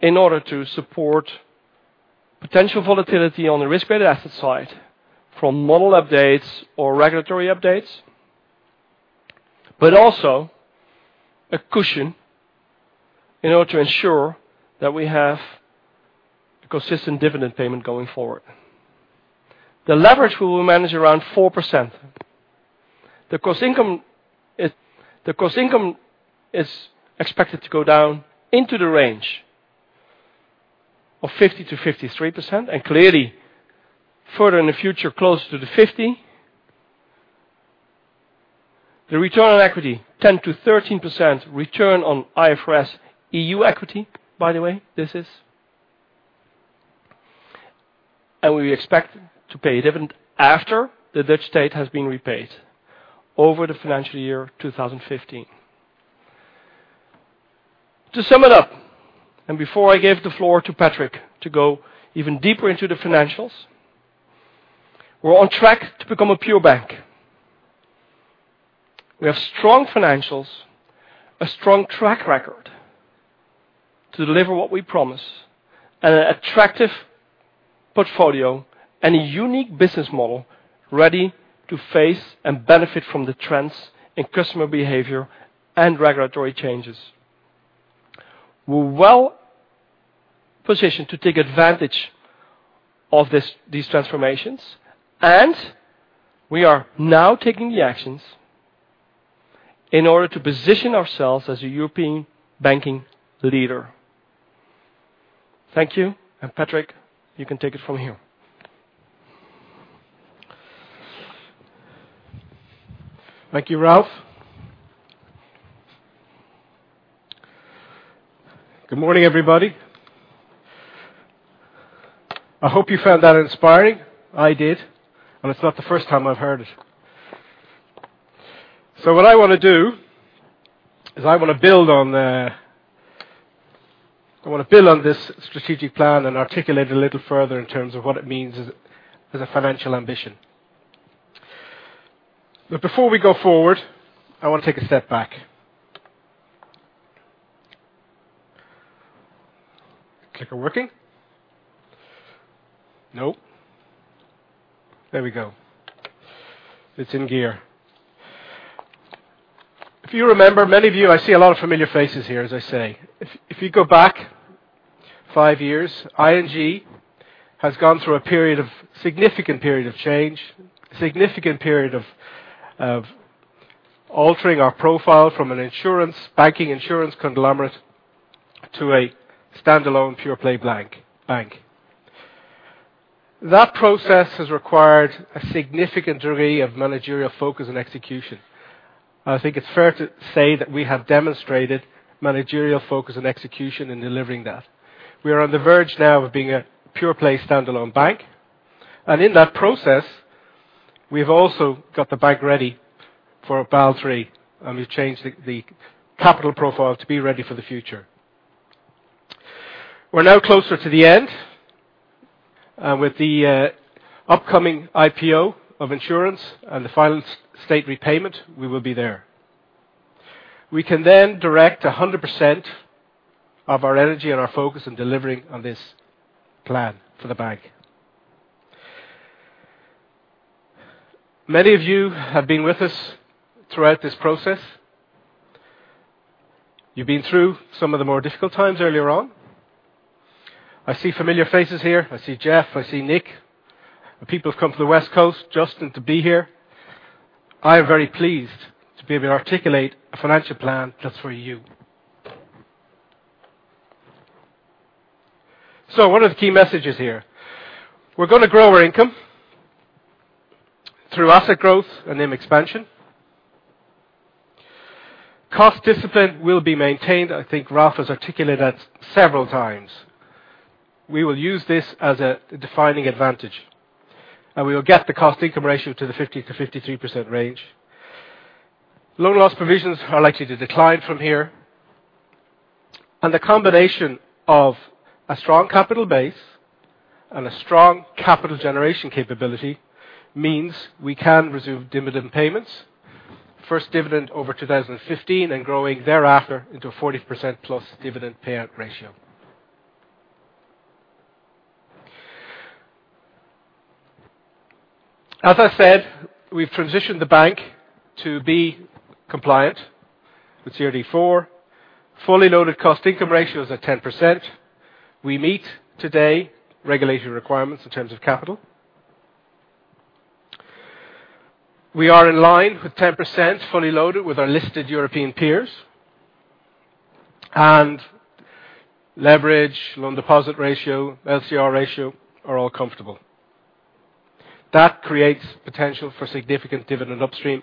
S2: in order to support potential volatility on the risk-weight asset side from model updates or regulatory updates. Also a cushion in order to ensure that we have a consistent dividend payment going forward. The leverage we will manage around 4%. The cost-income is expected to go down into the range of 50%-53% and clearly further in the future, closer to the 50%. The return on equity, 10%-13% return on IFRS-EU equity, by the way, this is. We expect to pay a dividend after the Dutch state has been repaid over the financial year 2015. To sum it up, and before I give the floor to Patrick to go even deeper into the financials, we're on track to become a pure bank. We have strong financials, a strong track record to deliver what we promise, and an attractive portfolio and a unique business model ready to face and benefit from the trends in customer behavior and regulatory changes. We're well-positioned to take advantage of these transformations, and we are now taking the actions in order to position ourselves as a European banking leader. Thank you, and Patrick, you can take it from here.
S3: Thank you, Ralph. Good morning, everybody. I hope you found that inspiring. I did, and it's not the first time I've heard it. What I want to do is I want to build on this strategic plan and articulate a little further in terms of what it means as a financial ambition. Before we go forward, I want to take a step back. Clicker working? Nope. There we go. It's in gear. If you remember, many of you, I see a lot of familiar faces here, as I say. If you go back five years, ING has gone through a significant period of change, a significant period of altering our profile from a banking insurance conglomerate to a standalone pure-play bank. That process has required a significant degree of managerial focus and execution. I think it's fair to say that we have demonstrated managerial focus and execution in delivering that. We are on the verge now of being a pure-play standalone bank. In that process, we've also got the bank ready for Basel III, and we've changed the capital profile to be ready for the future. We're now closer to the end, and with the upcoming IPO of insurance and the final state repayment, we will be there. We can then direct 100% of our energy and our focus on delivering on this plan for the bank. Many of you have been with us throughout this process. You've been through some of the more difficult times earlier on. I see familiar faces here. I see Jeff, I see Nick. The people who've come from the West Coast, Justin, to be here. I am very pleased to be able to articulate a financial plan just for you. What are the key messages here? We're going to grow our income through asset growth and NIM expansion. Cost discipline will be maintained. I think Ralph has articulated that several times. We will use this as a defining advantage, and we will get the cost-income ratio to the 50%-53% range. Loan loss provisions are likely to decline from here. The combination of a strong capital base and a strong capital generation capability means we can resume dividend payments. First dividend over 2015 and growing thereafter into a 40%+ dividend payout ratio. As I said, we've transitioned the bank to be compliant with CRD IV. Fully loaded cost income ratio is at 10%. We meet today regulation requirements in terms of capital. We are in line with 10% fully loaded with our listed European peers. Leverage, loan deposit ratio, LCR ratio are all comfortable. That creates potential for significant dividend upstream.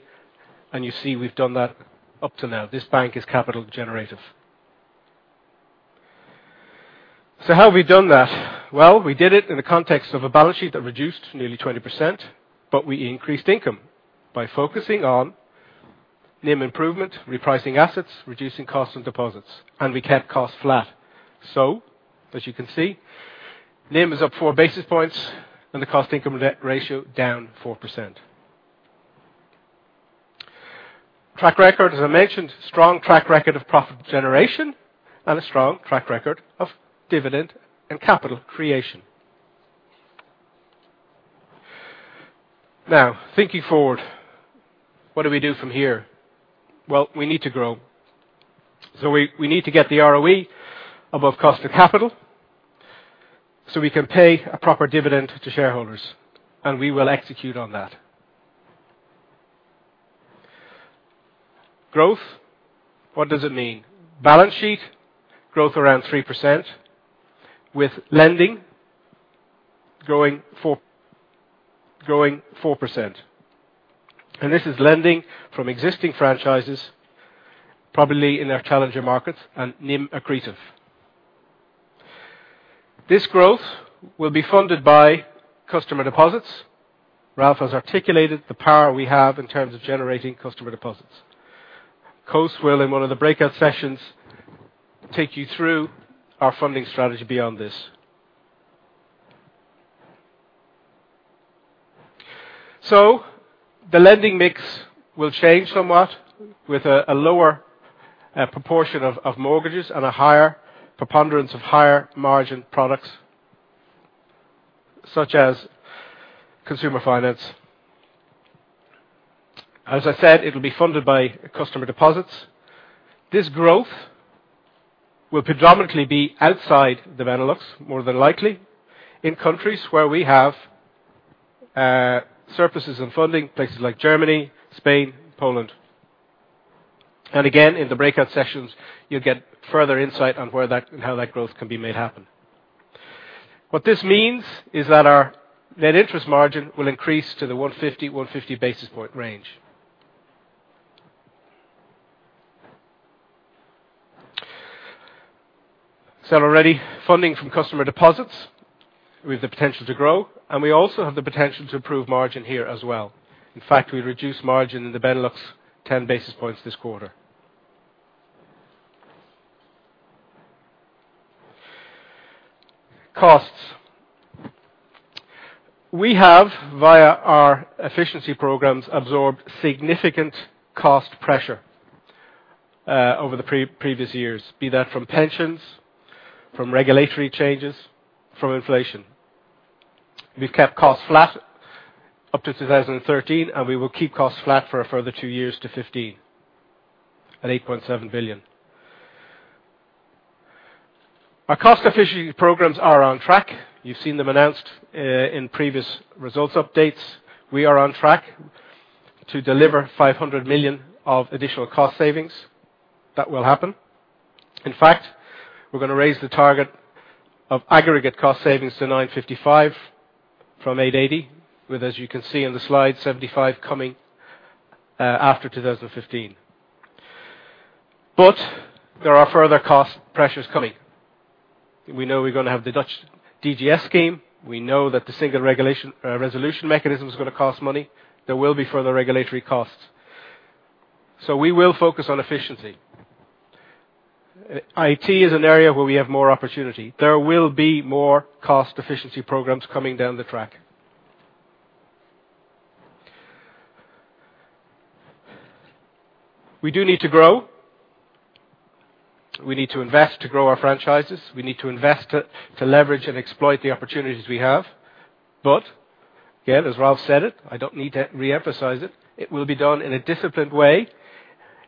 S3: You see we've done that up to now. This bank is capital generative. How have we done that? Well, we did it in the context of a balance sheet that reduced nearly 20%. We increased income by focusing on NIM improvement, repricing assets, reducing costs on deposits, and we kept costs flat. As you can see, NIM is up four basis points, and the cost-income ratio down 4%. Track record, as I mentioned, strong track record of profit generation, and a strong track record of dividend and capital creation. Thinking forward, what do we do from here? Well, we need to grow. We need to get the ROE above cost of capital, so we can pay a proper dividend to shareholders, and we will execute on that. Growth, what does it mean? Balance sheet, growth around 3% with lending growing 4%. This is lending from existing franchises, probably in our challenger markets and NIM accretive. This growth will be funded by customer deposits. Ralph has articulated the power we have in terms of generating customer deposits. Koos will, in one of the breakout sessions, take you through our funding strategy beyond this. The lending mix will change somewhat with a lower proportion of mortgages and a higher preponderance of higher margin products such as consumer finance. As I said, it will be funded by customer deposits. This growth will predominantly be outside the Benelux, more than likely in countries where we have services and funding, places like Germany, Spain, Poland. Again, in the breakout sessions, you'll get further insight on how that growth can be made happen. What this means is that our net interest margin will increase to the 150-150 basis point range. Already funding from customer deposits with the potential to grow, and we also have the potential to improve margin here as well. In fact, we reduced margin in the Benelux 10 basis points this quarter. Costs. We have, via our efficiency programs, absorbed significant cost pressure over the previous years, be that from pensions, from regulatory changes, from inflation. We've kept costs flat up to 2013, and we will keep costs flat for a further two years to 2015, at EUR 8.7 billion. Our cost efficiency programs are on track. You've seen them announced in previous results updates. We are on track to deliver 500 million of additional cost savings. That will happen. In fact, we're going to raise the target of aggregate cost savings to 955 from 880. With, as you can see on the slide, 75 coming after 2015. There are further cost pressures coming. We know we're going to have the Dutch DGS scheme. We know that the Single Resolution Mechanism is going to cost money. There will be further regulatory costs. We will focus on efficiency. IT is an area where we have more opportunity. There will be more cost efficiency programs coming down the track. We do need to grow. We need to invest to grow our franchises. We need to invest to leverage and exploit the opportunities we have. I don't need to re-emphasize it will be done in a disciplined way,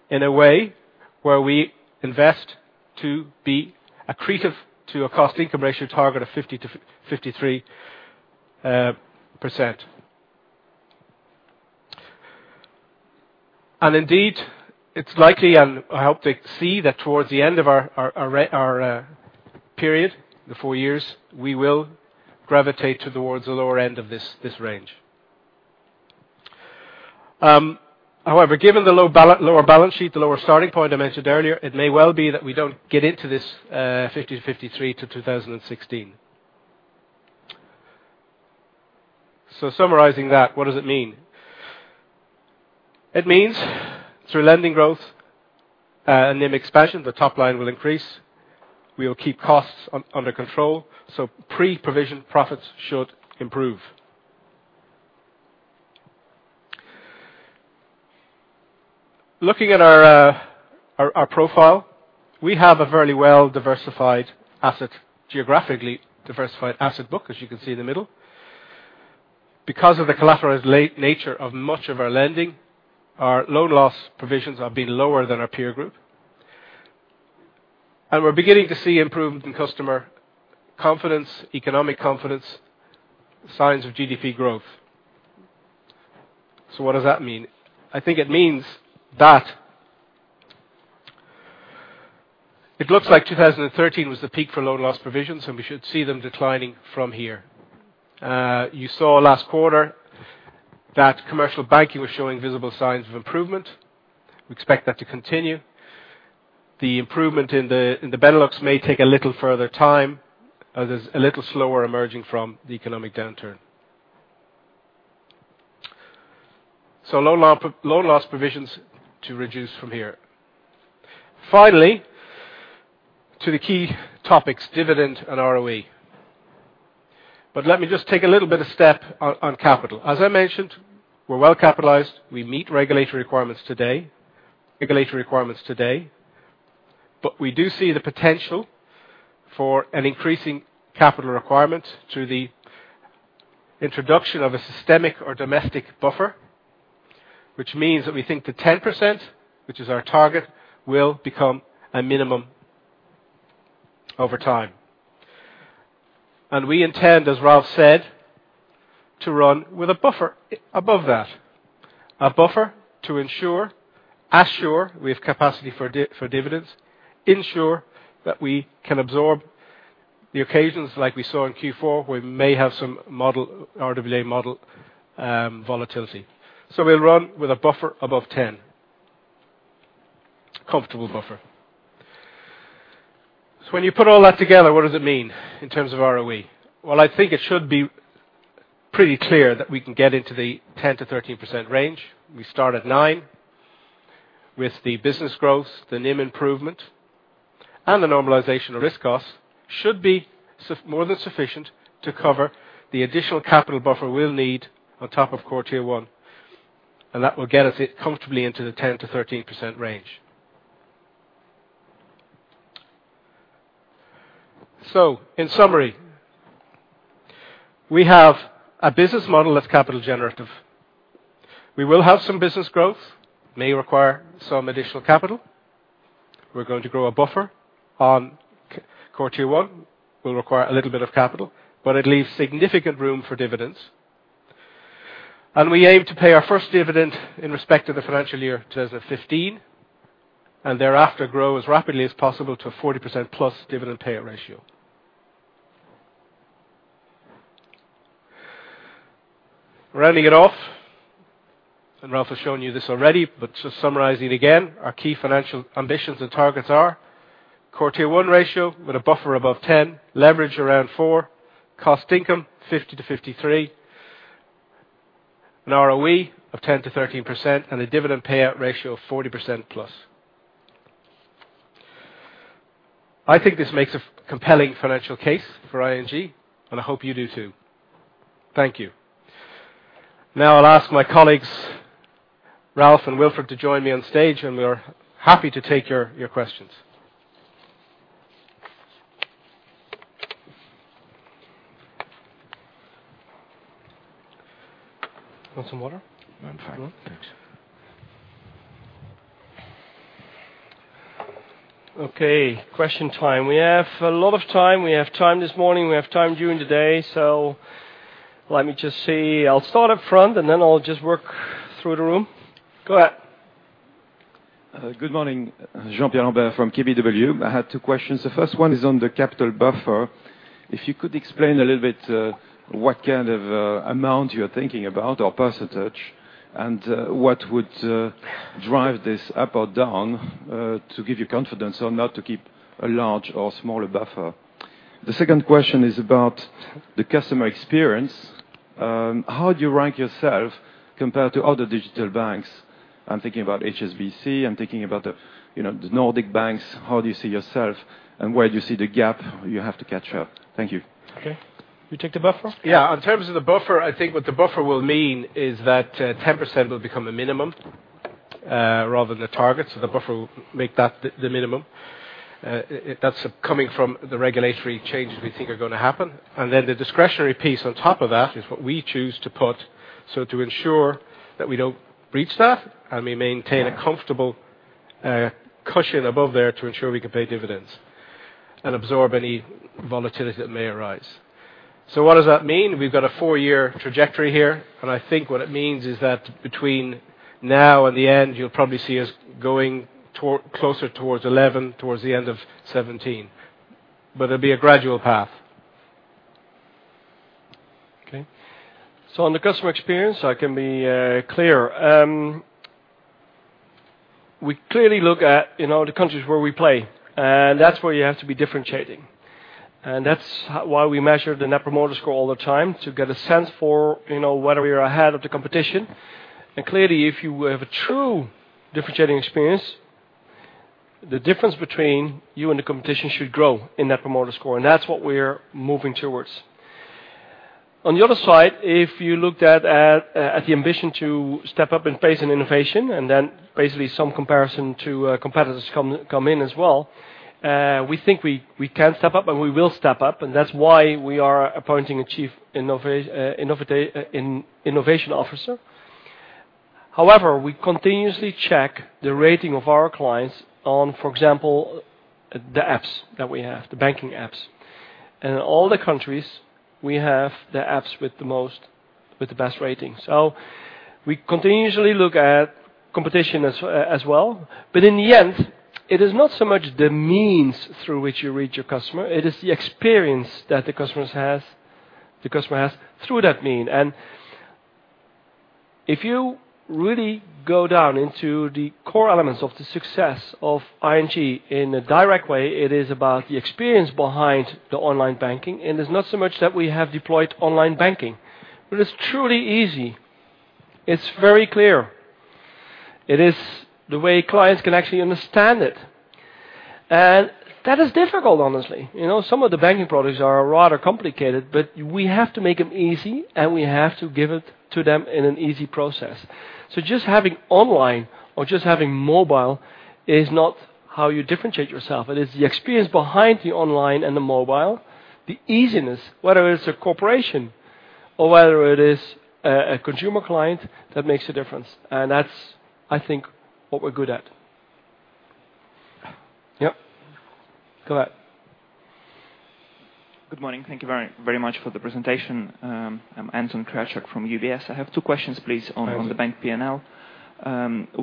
S3: in a way where we invest to be accretive to a cost-income ratio target of 50%-53%. Indeed, it's likely, and I hope to see that towards the end of our period, the 4 years, we will gravitate towards the lower end of this range. However, given the lower balance sheet, the lower starting point I mentioned earlier, it may well be that we don't get into this 50%-53% to 2016. Summarizing that, what does it mean? It means through lending growth and NIM expansion the top line will increase. We will keep costs under control, so pre-provision profits should improve. Looking at our profile, we have a very well geographically diversified asset book, as you can see in the middle. Because of the collateralized nature of much of our lending, our loan loss provisions have been lower than our peer group. We're beginning to see improvement in customer confidence, economic confidence, signs of GDP growth. What does that mean? I think it means that it looks like 2013 was the peak for loan loss provisions, and we should see them declining from here. You saw last quarter that commercial banking was showing visible signs of improvement. We expect that to continue. The improvement in the Benelux may take a little further time, as it's a little slower emerging from the economic downturn. Loan loss provisions to reduce from here. Finally, to the key topics, dividend and ROE. Let me just take a little bit of step on capital. As I mentioned, we're well capitalized. We meet regulatory requirements today. We do see the potential for an increasing capital requirement through the introduction of a systemic or domestic buffer, which means that we think the 10%, which is our target, will become a minimum over time. We intend, as Ralph said, to run with a buffer above that. A buffer to ensure, assure we have capacity for dividends, ensure that we can absorb the occasions like we saw in Q4, where we may have some RWA model volatility. We'll run with a buffer above 10%. Comfortable buffer. When you put all that together, what does it mean in terms of ROE? Well, I think it should be pretty clear that we can get into the 10%-13% range. We start at nine. With the business growth, the NIM improvement, and the normalization of risk costs should be more than sufficient to cover the additional capital buffer we'll need on top of Core Tier 1. That will get us comfortably into the 10%-13% range. In summary, we have a business model that's capital generative. We will have some business growth, may require some additional capital. We're going to grow a buffer on Core Tier 1, will require a little bit of capital, but it leaves significant room for dividends. We aim to pay our first dividend in respect of the financial year 2015, and thereafter grow as rapidly as possible to a 40%+ dividend payout ratio. Rounding it off, Ralph has shown you this already, but just summarizing again, our key financial ambitions and targets are: Core Tier 1 ratio with a buffer above 10, leverage around four, cost-income ratio 50% to 53%, an ROE of 10% to 13%, and a dividend payout ratio of 40% plus. I think this makes a compelling financial case for ING, I hope you do, too. Thank you. I'll ask my colleagues, Ralph and Wilfred, to join me on stage, We are happy to take your questions. Want some water? No, I'm fine. You want one? Thanks. Okay. Question time. We have a lot of time. We have time this morning, we have time during the day. Let me just see. I'll start up front, Then I'll just work through the room. Go ahead.
S4: Good morning. Jean Pierre Lambert from KBW. I had two questions. The first one is on the capital buffer. If you could explain a little bit what kind of amount you're thinking about, or percentage, What would drive this up or down to give you confidence on not to keep a large or smaller buffer. The second question is about the customer experience. How do you rank yourself compared to other digital banks? I'm thinking about HSBC, I'm thinking about the Nordic banks. How do you see yourself, Where do you see the gap you have to catch up? Thank you.
S3: Okay. You take the buffer? Yeah. In terms of the buffer, I think what the buffer will mean is that 10% will become the minimum rather than the target. The buffer will make that the minimum. That's coming from the regulatory changes we think are going to happen. Then the discretionary piece on top of that is what we choose to put so to ensure that we don't breach that, We maintain a comfortable cushion above there to ensure we can pay dividends and absorb any volatility that may arise. What does that mean? We've got a four-year trajectory here. I think what it means is that between now and the end, you'll probably see us going closer towards 11, towards the end of 2017. It'll be a gradual path. Okay. On the customer experience, I can be clear.
S2: We clearly look at the countries where we play. That's where you have to be differentiating. That's why we measure the Net Promoter Score all the time, to get a sense for whether we are ahead of the competition. Clearly, if you have a true differentiating experience, the difference between you and the competition should grow in Net Promoter Score. That's what we're moving towards. On the other side, if you looked at the ambition to step up in pace and innovation, Then basically some comparison to competitors come in as well, we think we can step up, We will step up. That's why we are appointing a chief innovation officer. However, we continuously check the rating of our clients on, for example, the apps that we have, the banking apps. In all the countries, we have the apps with the best ratings. We continuously look at competition as well. In the end, it is not so much the means through which you reach your customer, it is the experience that the customer has through that mean. If you really go down into the core elements of the success of ING in a direct way, it is about the experience behind the online banking, and it's not so much that we have deployed online banking, but it's truly easy. It's very clear. It is the way clients can actually understand it. That is difficult, honestly. Some of the banking products are rather complicated, but we have to make them easy, and we have to give it to them in an easy process. Just having online or just having mobile is not how you differentiate yourself. It is the experience behind the online and the mobile, the easiness, whether it's a corporation or whether it is a consumer client that makes a difference. That's, I think, what we're good at. Yep. Go ahead.
S5: Good morning. Thank you very much for the presentation. I'm Anton Krejcik from UBS. I have two questions, please-
S2: Okay
S5: on the bank P&L.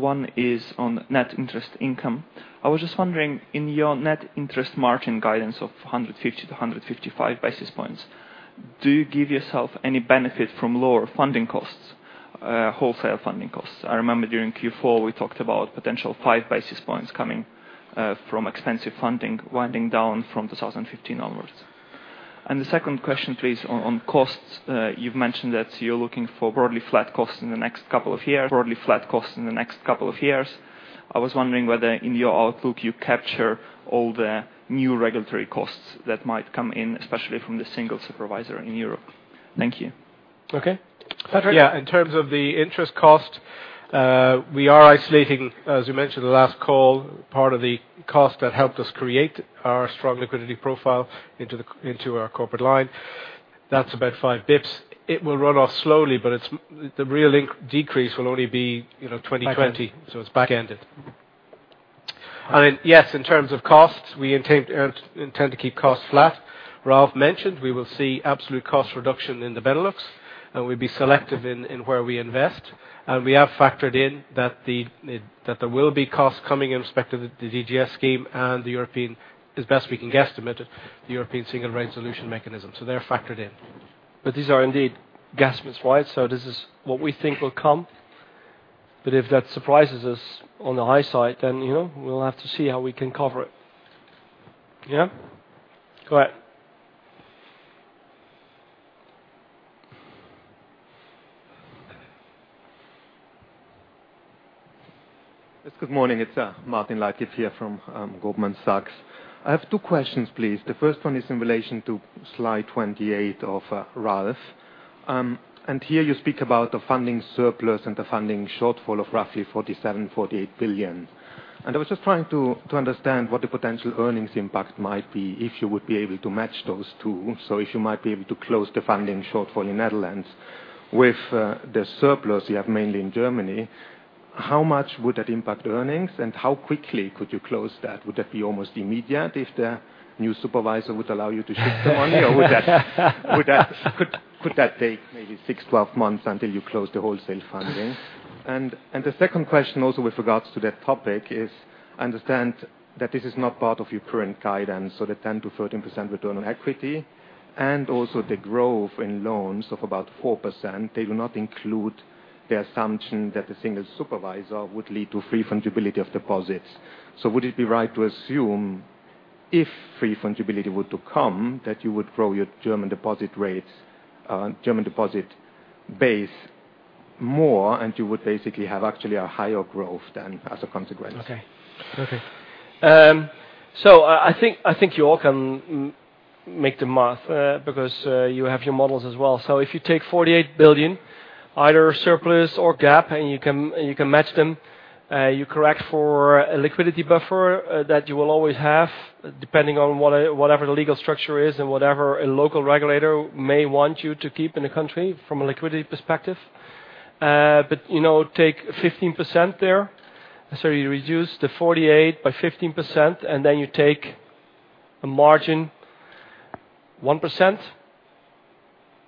S5: One is on net interest income. I was just wondering, in your net interest margin guidance of 150 to 155 basis points, do you give yourself any benefit from lower funding costs, wholesale funding costs? I remember during Q4, we talked about potential five basis points coming from expensive funding winding down from 2015 onwards. The second question, please, on costs. You've mentioned that you're looking for broadly flat costs in the next couple of years. I was wondering whether in your outlook, you capture all the new regulatory costs that might come in, especially from the single supervisor in Europe. Thank you.
S2: Okay. Patrick?
S3: In terms of the interest cost, we are isolating, as we mentioned the last call, part of the cost that helped us create our strong liquidity profile into our corporate line. That's about 5 basis points. It will run off slowly, but the real decrease will only be 2020.
S2: Back end.
S3: It's back ended. Yes, in terms of costs, we intend to keep costs flat. Ralph mentioned we will see absolute cost reduction in the Benelux, we'll be selective in where we invest. We have factored in that there will be costs coming in respect of the DGS scheme and as best we can guesstimate it, the European Single Resolution Mechanism. They're factored in.
S2: These are indeed guesstimates, right? This is what we think will come. If that surprises us on the high side, then we'll have to see how we can cover it. Go ahead.
S6: Yes, good morning. It's Matin Latif here from Goldman Sachs. I have two questions, please. The first one is in relation to slide 28 of Ralph. Here you speak about the funding surplus and the funding shortfall of roughly 47 billion, 48 billion. I was just trying to understand what the potential earnings impact might be if you would be able to match those two. If you might be able to close the funding shortfall in Netherlands with the surplus you have mainly in Germany, how much would that impact earnings and how quickly could you close that? Would that be almost immediate if the new supervisor would allow you to shift the money? Or could that take maybe 6, 12 months until you close the wholesale funding? The second question also with regards to that topic is, I understand that this is not part of your current guidance. The 10%-13% return on equity and also the growth in loans of about 4%, they do not include the assumption that the single supervisor would lead to free fundability of deposits. Would it be right to assume if free fundability were to come, that you would grow your German deposit base more, and you would basically have actually a higher growth then as a consequence?
S2: Okay. I think you all can make the math, because you have your models as well. If you take 48 billion, either surplus or gap, and you can match them, you correct for a liquidity buffer that you will always have, depending on whatever the legal structure is and whatever a local regulator may want you to keep in the country from a liquidity perspective. Take 15% there. You reduce the 48 by 15%, and then you take a margin 1%.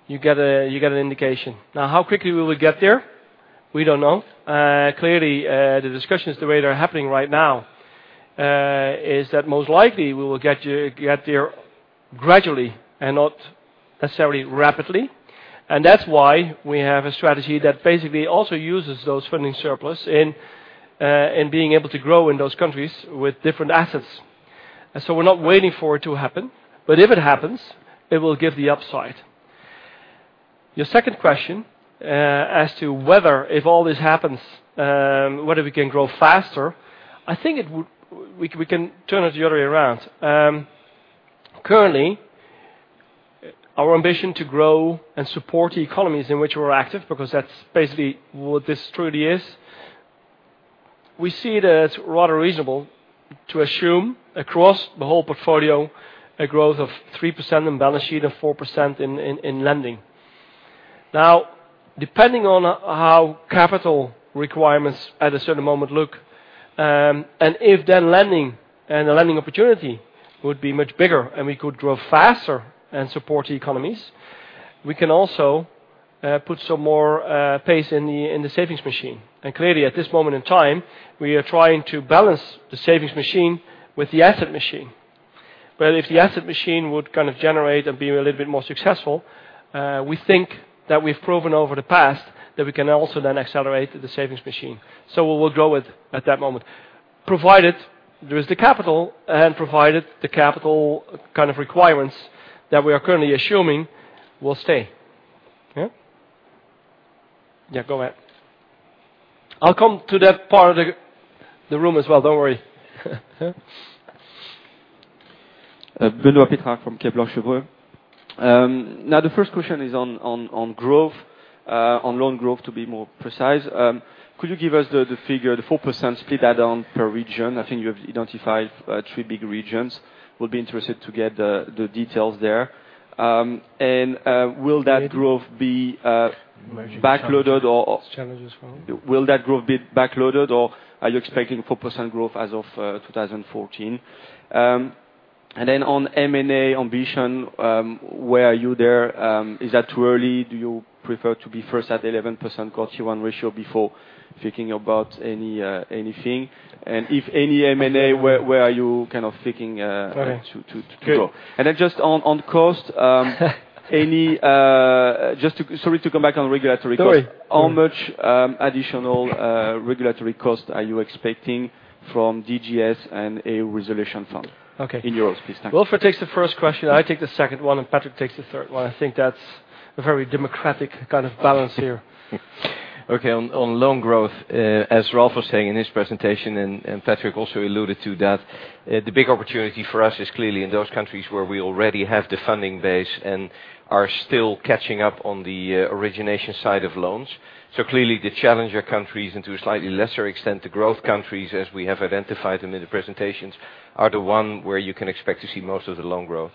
S2: You get an indication. Now, how quickly will we get there? We don't know. Clearly, the discussions the way they're happening right now, is that most likely we will get there gradually and not necessarily rapidly. That's why we have a strategy that basically also uses those funding surplus in being able to grow in those countries with different assets. We're not waiting for it to happen, but if it happens, it will give the upside. Your second question as to whether if all this happens, whether we can grow faster, I think we can turn it the other way around. Currently, our ambition to grow and support the economies in which we're active, because that's basically what this truly is. We see it as rather reasonable to assume across the whole portfolio, a growth of 3% in balance sheet and 4% in lending. Depending on how capital requirements at a certain moment look, and if then lending and the lending opportunity would be much bigger and we could grow faster and support the economies, we can also put some more pace in the savings machine. At this moment in time, we are trying to balance the savings machine with the asset machine. If the asset machine would generate and be a little bit more successful, we think that we've proven over the past that we can also then accelerate the savings machine. We'll go with at that moment, provided there is the capital and provided the capital kind of requirements that we are currently assuming will stay. Yeah, go ahead. I'll come to that part of the room as well, don't worry.
S7: Benoit Petrarque. The first question is on growth, on loan growth to be more precise. Could you give us the figure, the 4% split down per region? I think you have identified three big regions. Would be interested to get the details there. Will that growth be back-loaded?
S2: Can you mention the challenges?
S7: Will that growth be back-loaded or are you expecting 4% growth as of 2014? On M&A ambition, where are you there? Is that too early? Do you prefer to be first at 11% Core Tier 1 ratio before thinking about anything? If any M&A, where are you kind of thinking-
S2: Okay
S7: to go?
S2: Good.
S7: Sorry to come back on regulatory cost.
S2: Don't worry.
S7: How much additional regulatory cost are you expecting from DGS and a resolution fund?
S2: Okay.
S7: In euros, please. Thank you.
S2: Wilfred takes the first question, I take the second one, and Patrick takes the third one. I think that's a very democratic kind of balance here.
S8: Okay, on loan growth, as Ralph was saying in his presentation and Patrick also alluded to that, the big opportunity for us is clearly in those countries where we already have the funding base and are still catching up on the origination side of loans. Clearly the challenger countries, and to a slightly lesser extent, the growth countries as we have identified them in the presentations, are the one where you can expect to see most of the loan growth.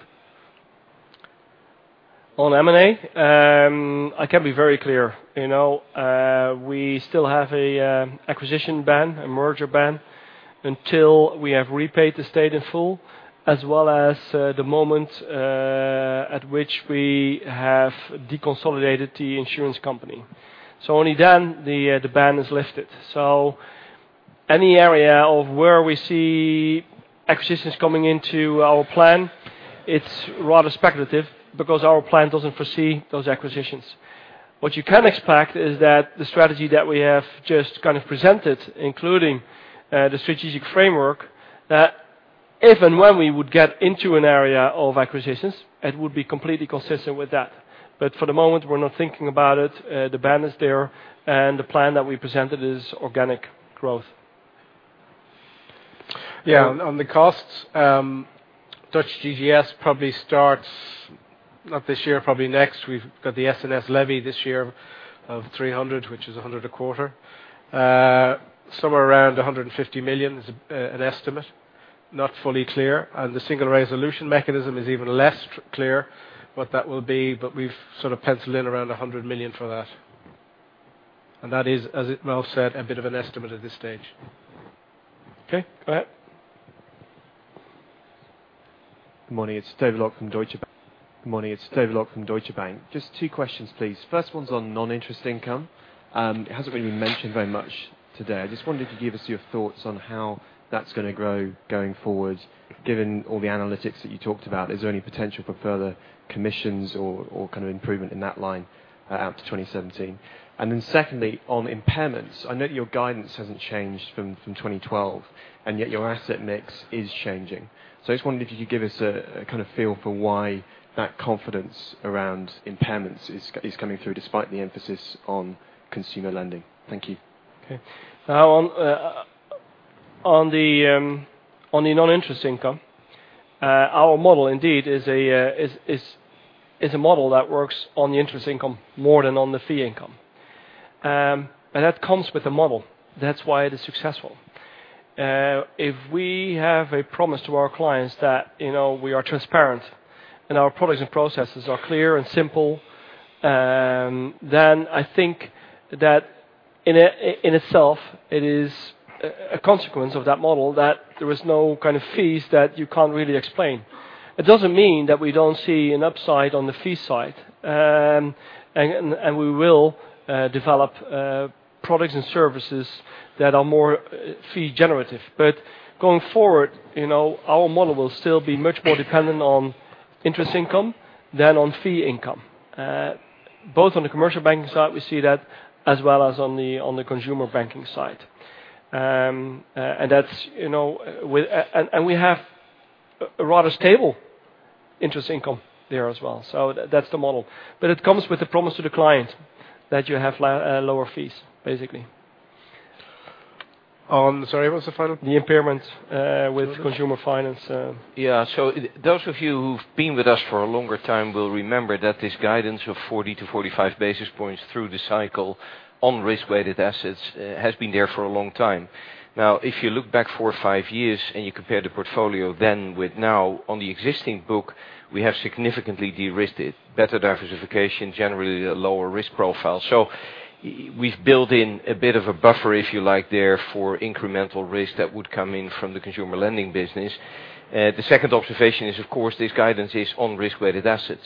S2: On M&A, I can be very clear. We still have an acquisition ban, a merger ban, until we have repaid the state in full, as well as the moment at which we have deconsolidated the insurance company. Only then the ban is lifted. Any area of where we see acquisitions coming into our plan, it's rather speculative because our plan doesn't foresee those acquisitions. What you can expect is that the strategy that we have just presented, including the strategic framework, that if and when we would get into an area of acquisitions, it would be completely consistent with that. For the moment, we're not thinking about it. The ban is there, the plan that we presented is organic growth.
S8: On the costs, Dutch DGS probably starts not this year, probably next. We've got the SNS levy this year of 300 million, which is 100 million a quarter. Somewhere around 150 million is an estimate, not fully clear. The Single Resolution Mechanism is even less clear what that will be, but we've sort of penciled in around 100 million for that. That is, as Ralph said, a bit of an estimate at this stage.
S2: Okay, go ahead.
S9: Good morning. It's David Locke from Deutsche Bank. Just two questions, please. First one's on non-interest income. It hasn't really been mentioned very much today. I just wondered if you could give us your thoughts on how that's going to grow going forward, given all the analytics that you talked about. Then secondly, on impairments, I know that your guidance hasn't changed from 2012, yet your asset mix is changing. I just wondered if you could give us a kind of feel for why that confidence around impairments is coming through despite the emphasis on consumer lending. Thank you.
S2: Okay. On the non-interest income, our model indeed is a model that works on the interest income more than on the fee income. That comes with the model. That's why it is successful. If we have a promise to our clients that we are transparent and our products and processes are clear and simple, then I think that in itself it is a consequence of that model that there is no fees that you can't really explain. It doesn't mean that we don't see an upside on the fee side. We will develop products and services that are more fee generative. Going forward, our model will still be much more dependent on interest income than on fee income. Both on the commercial banking side we see that, as well as on the consumer banking side. We have a rather stable interest income there as well. That's the model. It comes with a promise to the client that you have lower fees, basically.
S8: Sorry, what was the follow-up?
S2: The impairment with consumer finance.
S8: Those of you who've been with us for a longer time will remember that this guidance of 40-45 basis points through the cycle on risk-weighted assets has been there for a long time. Now, if you look back four or five years and you compare the portfolio then with now, on the existing book, we have significantly de-risked it. Better diversification, generally a lower risk profile. We've built in a bit of a buffer, if you like there, for incremental risk that would come in from the consumer lending business. The second observation is, of course, this guidance is on risk-weighted assets.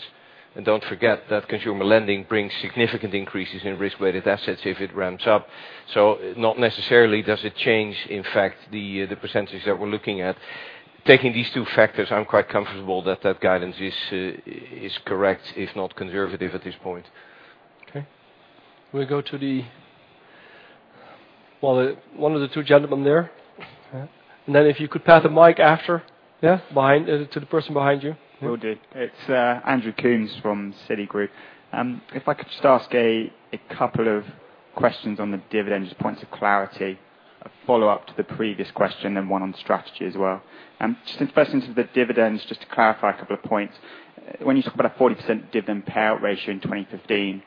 S8: Don't forget that consumer lending brings significant increases in risk-weighted assets if it ramps up. Not necessarily does it change, in fact, the percentages that we're looking at. Taking these two factors, I'm quite comfortable that that guidance is correct, if not conservative at this point.
S2: We'll go to one of the two gentlemen there.
S8: Yeah.
S2: Then if you could pass a mic after-
S8: Yeah
S2: to the person behind you.
S10: Will do. It's Andrew Coombs from Citigroup. If I could just ask a couple of questions on the dividend, just points of clarity, a follow-up to the previous question and one on strategy as well. First into the dividends, just to clarify a couple of points. When you talk about a 40% dividend payout ratio in 2015,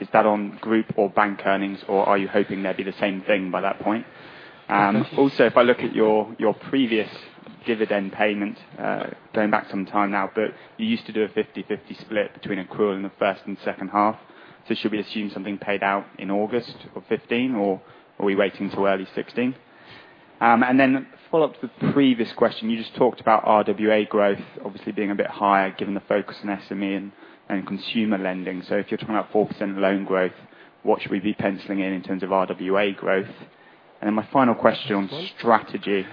S10: is that on group or bank earnings, or are you hoping they'll be the same thing by that point? Also, if I look at your previous dividend payment, going back some time now, but you used to do a 50/50 split between accrual in the first and second half. Should we assume something paid out in August of 2015, or are we waiting till early 2016? Follow-up to the previous question, you just talked about RWA growth obviously being a bit higher given the focus on SME and consumer lending. If you're talking about 4% loan growth, what should we be penciling in in terms of RWA growth? My final question on strategy.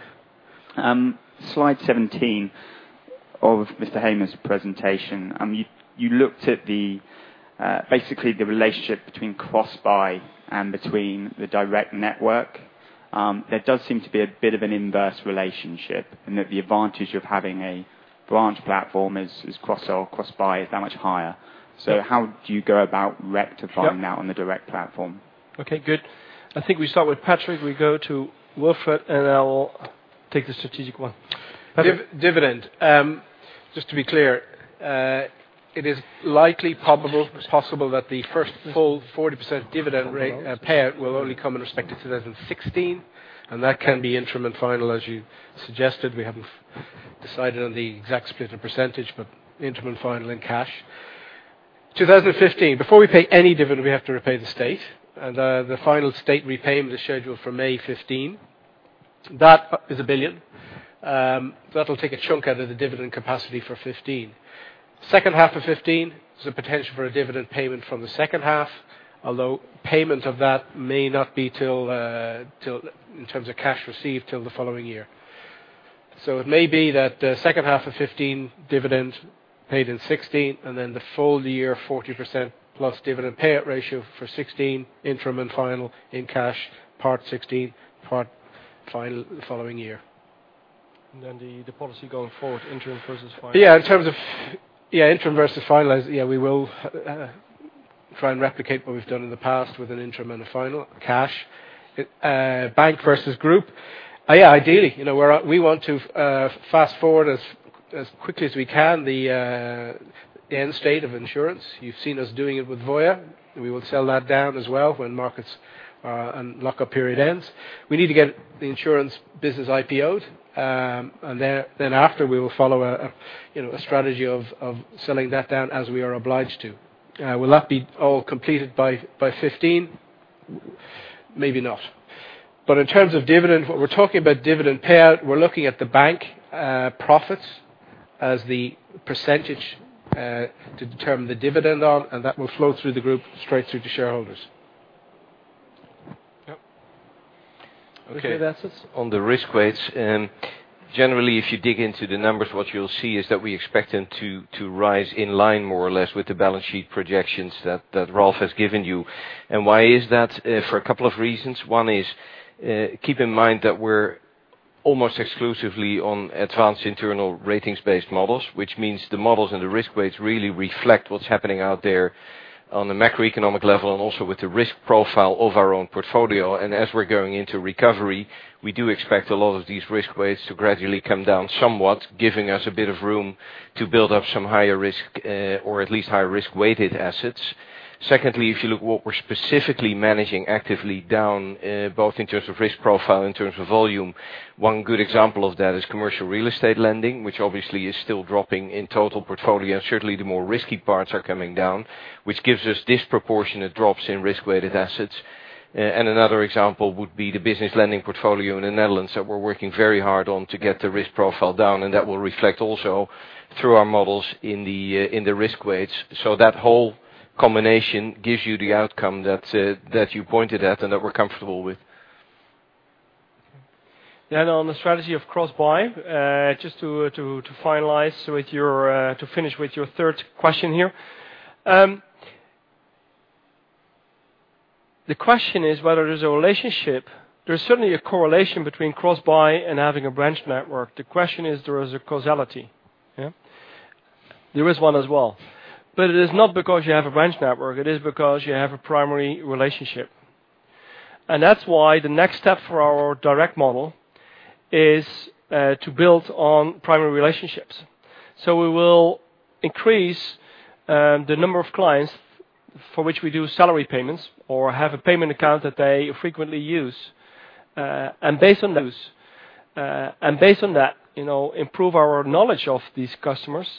S10: Slide 17 of Mr. Hamers' presentation. You looked at basically the relationship between cross-buy and between the direct network. There does seem to be a bit of an inverse relationship, and that the advantage of having a branch platform as cross-sell, cross-buy, is that much higher. How do you go about rectifying that on the direct platform?
S2: Okay, good. I think we start with Patrick. We go to Wilfred, and I'll take the strategic one. Patrick.
S3: Dividend. Just to be clear, it is likely possible that the first full 40% dividend rate payout will only come in respect to 2016, and that can be interim and final, as you suggested. We haven't decided on the exact split or percentage, but interim and final in cash. 2015, before we pay any dividend, we have to repay the state, and the final state repayment is scheduled for May 2015. That is 1 billion. That'll take a chunk out of the dividend capacity for 2015. Second half of 2015, there's a potential for a dividend payment from the second half, although payment of that may not be till, in terms of cash received, till the following year. It may be that the second half of 2015 dividend paid in 2016, and then the full year, 40% plus dividend payout ratio for 2016, interim and final in cash, part 2016, part final the following year.
S2: The policy going forward, interim versus final.
S3: Interim versus final. We will try and replicate what we've done in the past with an interim and a final, cash. Bank versus group. Ideally. We want to fast-forward as quickly as we can the end state of insurance. You've seen us doing it with Voya. We will sell that down as well when markets and lock-up period ends. We need to get the insurance business IPO'd. After, we will follow a strategy of selling that down as we are obliged to. Will that be all completed by 2015? Maybe not. In terms of dividend, what we're talking about dividend payout, we're looking at the bank profits as the percentage to determine the dividend on, and that will flow through the group straight through to shareholders.
S8: Okay.
S2: Risk-weighted assets.
S8: On the risk weights. Generally, if you dig into the numbers, what you'll see is that we expect them to rise in line more or less with the balance sheet projections that Ralph has given you. Why is that? For a couple of reasons. One is, keep in mind that we're almost exclusively on advanced internal ratings-based models, which means the models and the risk weights really reflect what's happening out there on the macroeconomic level and also with the risk profile of our own portfolio. As we're going into recovery, we do expect a lot of these risk weights to gradually come down somewhat, giving us a bit of room to build up some higher risk, or at least higher risk-weighted assets. Secondly, if you look what we're specifically managing actively down, both in terms of risk profile, in terms of volume. One good example of that is commercial real estate lending, which obviously is still dropping in total portfolio. Certainly, the more risky parts are coming down, which gives us disproportionate drops in risk-weighted assets. Another example would be the business lending portfolio in the Netherlands that we're working very hard on to get the risk profile down, and that will reflect also through our models in the risk weights. That whole combination gives you the outcome that you pointed at and that we're comfortable with.
S2: On the strategy of cross-buy, just to finalize, to finish with your third question here. The question is whether there's a relationship. There's certainly a correlation between cross-buy and having a branch network. The question is there is a causality. Yeah. There is one as well. It is not because you have a branch network. It is because you have a primary relationship. That's why the next step for our direct model is to build on primary relationships. We will increase the number of clients for which we do salary payments or have a payment account that they frequently use. Based on that, improve our knowledge of these customers,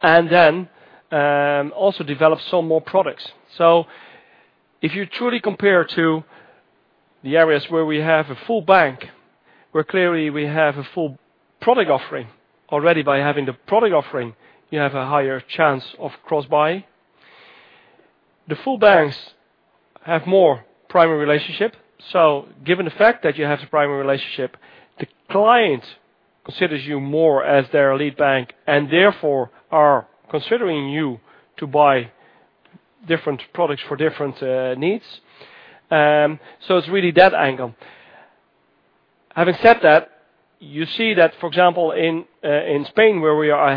S2: and then also develop some more products. If you truly compare to the areas where we have a full bank, where clearly we have a full product offering, already by having the product offering, you have a higher chance of cross-buying. The full banks have more primary relationship. Given the fact that you have the primary relationship, the client considers you more as their lead bank, and therefore are considering you to buy different products for different needs. It's really that angle. Having said that, you see that, for example, in Spain, where we are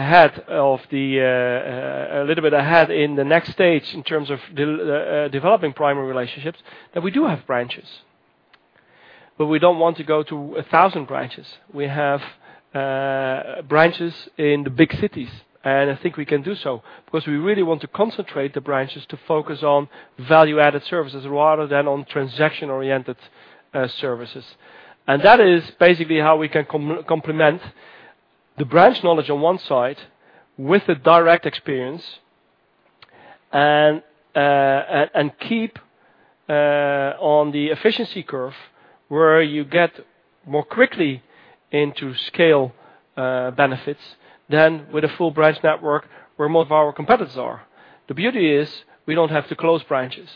S2: a little bit ahead in the next stage in terms of developing primary relationships, that we do have branches. We don't want to go to 1,000 branches. We have branches in the big cities, I think we can do so, because we really want to concentrate the branches to focus on value-added services rather than on transaction-oriented services. That is basically how we can complement the branch knowledge on one side with the direct experience, and keep on the efficiency curve, where you get more quickly into scale benefits than with a full branch network where more of our competitors are. The beauty is, we don't have to close branches.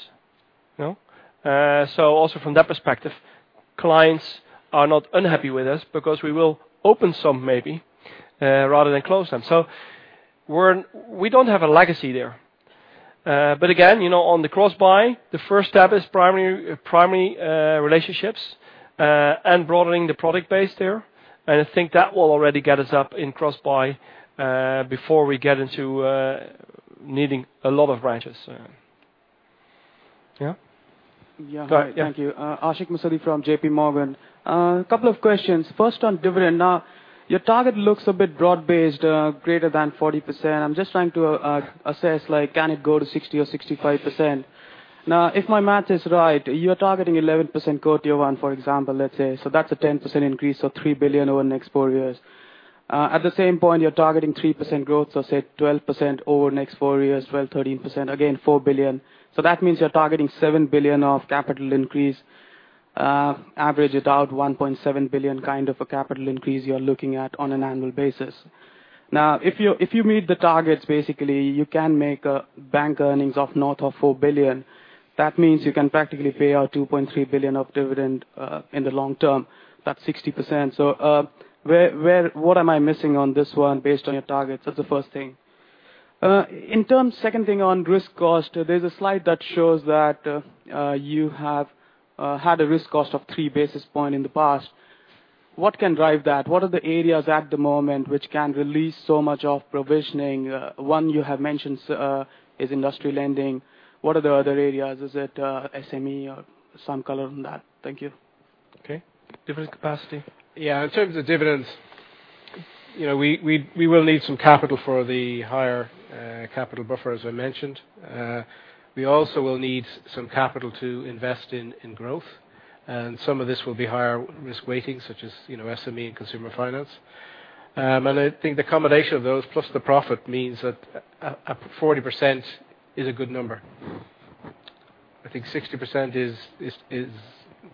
S2: Also from that perspective, clients are not unhappy with us because we will open some maybe, rather than close them. We don't have a legacy there. Again, on the cross-buy, the first step is primary relationships, and broadening the product base there. I think that will already get us up in cross-buy, before we get into needing a lot of branches. Yeah.
S11: Yeah.
S2: Go ahead, yeah.
S11: Thank you. Ashok Musaddi from JPMorgan. Couple of questions. First on dividend. Your target looks a bit broad-based, greater than 40%. I'm just trying to assess, can it go to 60% or 65%? If my math is right, you're targeting 11% Core Tier 1, for example, let's say. That's a 10% increase or 3 billion over the next 4 years. At the same point, you're targeting 3% growth, say 12% over the next 4 years, 12%, 13%, again, 4 billion. That means you're targeting 7 billion of capital increase. Average it out, 1.7 billion kind of a capital increase you're looking at on an annual basis. If you meet the targets, basically, you can make bank earnings of north of 4 billion. That means you can practically pay out 2.3 billion of dividend in the long term. That's 60%. What am I missing on this one based on your targets? That's the first thing. Second thing on risk cost. There's a slide that shows that you have had a risk cost of three basis points in the past. What can drive that? What are the areas at the moment which can release so much of provisioning? One you have mentioned is industrial lending. What are the other areas? Is it SME or some color on that? Thank you.
S2: Okay. Dividend capacity.
S3: Yeah. In terms of dividends, we will need some capital for the higher capital buffer, as I mentioned. We also will need some capital to invest in growth, and some of this will be higher risk weighting, such as SME and consumer finance. I think the combination of those plus the profit means that a 40% is a good number. I think 60% is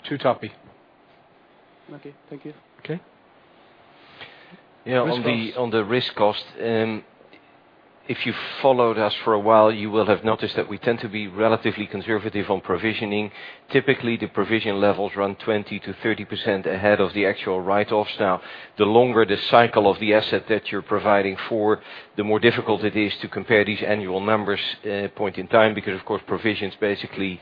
S3: too toppy.
S11: Okay. Thank you.
S3: Okay.
S2: Risk cost.
S8: Yeah. On the risk cost, if you followed us for a while, you will have noticed that we tend to be relatively conservative on provisioning. Typically, the provision levels run 20%-30% ahead of the actual write-offs. Now, the longer the cycle of the asset that you're providing for, the more difficult it is to compare these annual numbers point in time because, of course, provisions basically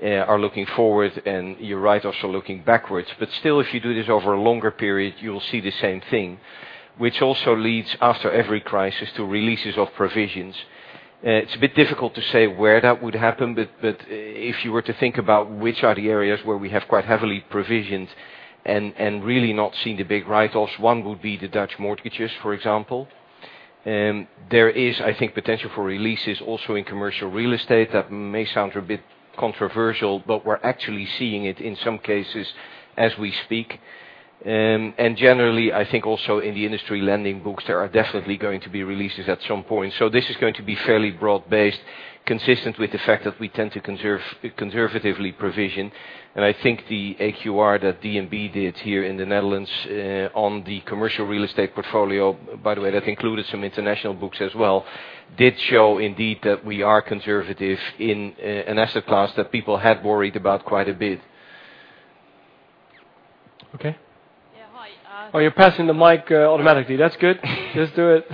S8: are looking forward and your write-offs are looking backwards. Still, if you do this over a longer period, you'll see the same thing, which also leads after every crisis to releases of provisions. It's a bit difficult to say where that would happen. If you were to think about which are the areas where we have quite heavily provisioned and really not seen the big write-offs, one would be the Dutch mortgages, for example. There is, I think, potential for releases also in commercial real estate. That may sound a bit controversial, but we're actually seeing it in some cases as we speak. Generally, I think also in the industry lending books, there are definitely going to be releases at some point. This is going to be fairly broad-based, consistent with the fact that we tend to conservatively provision. I think the AQR that DNB did here in the Netherlands on the commercial real estate portfolio, by the way, that included some international books as well, did show indeed that we are conservative in an asset class that people had worried about quite a bit.
S2: Okay.
S11: Yeah. Hi.
S2: Oh, you're passing the mic automatically. That's good. Just do it.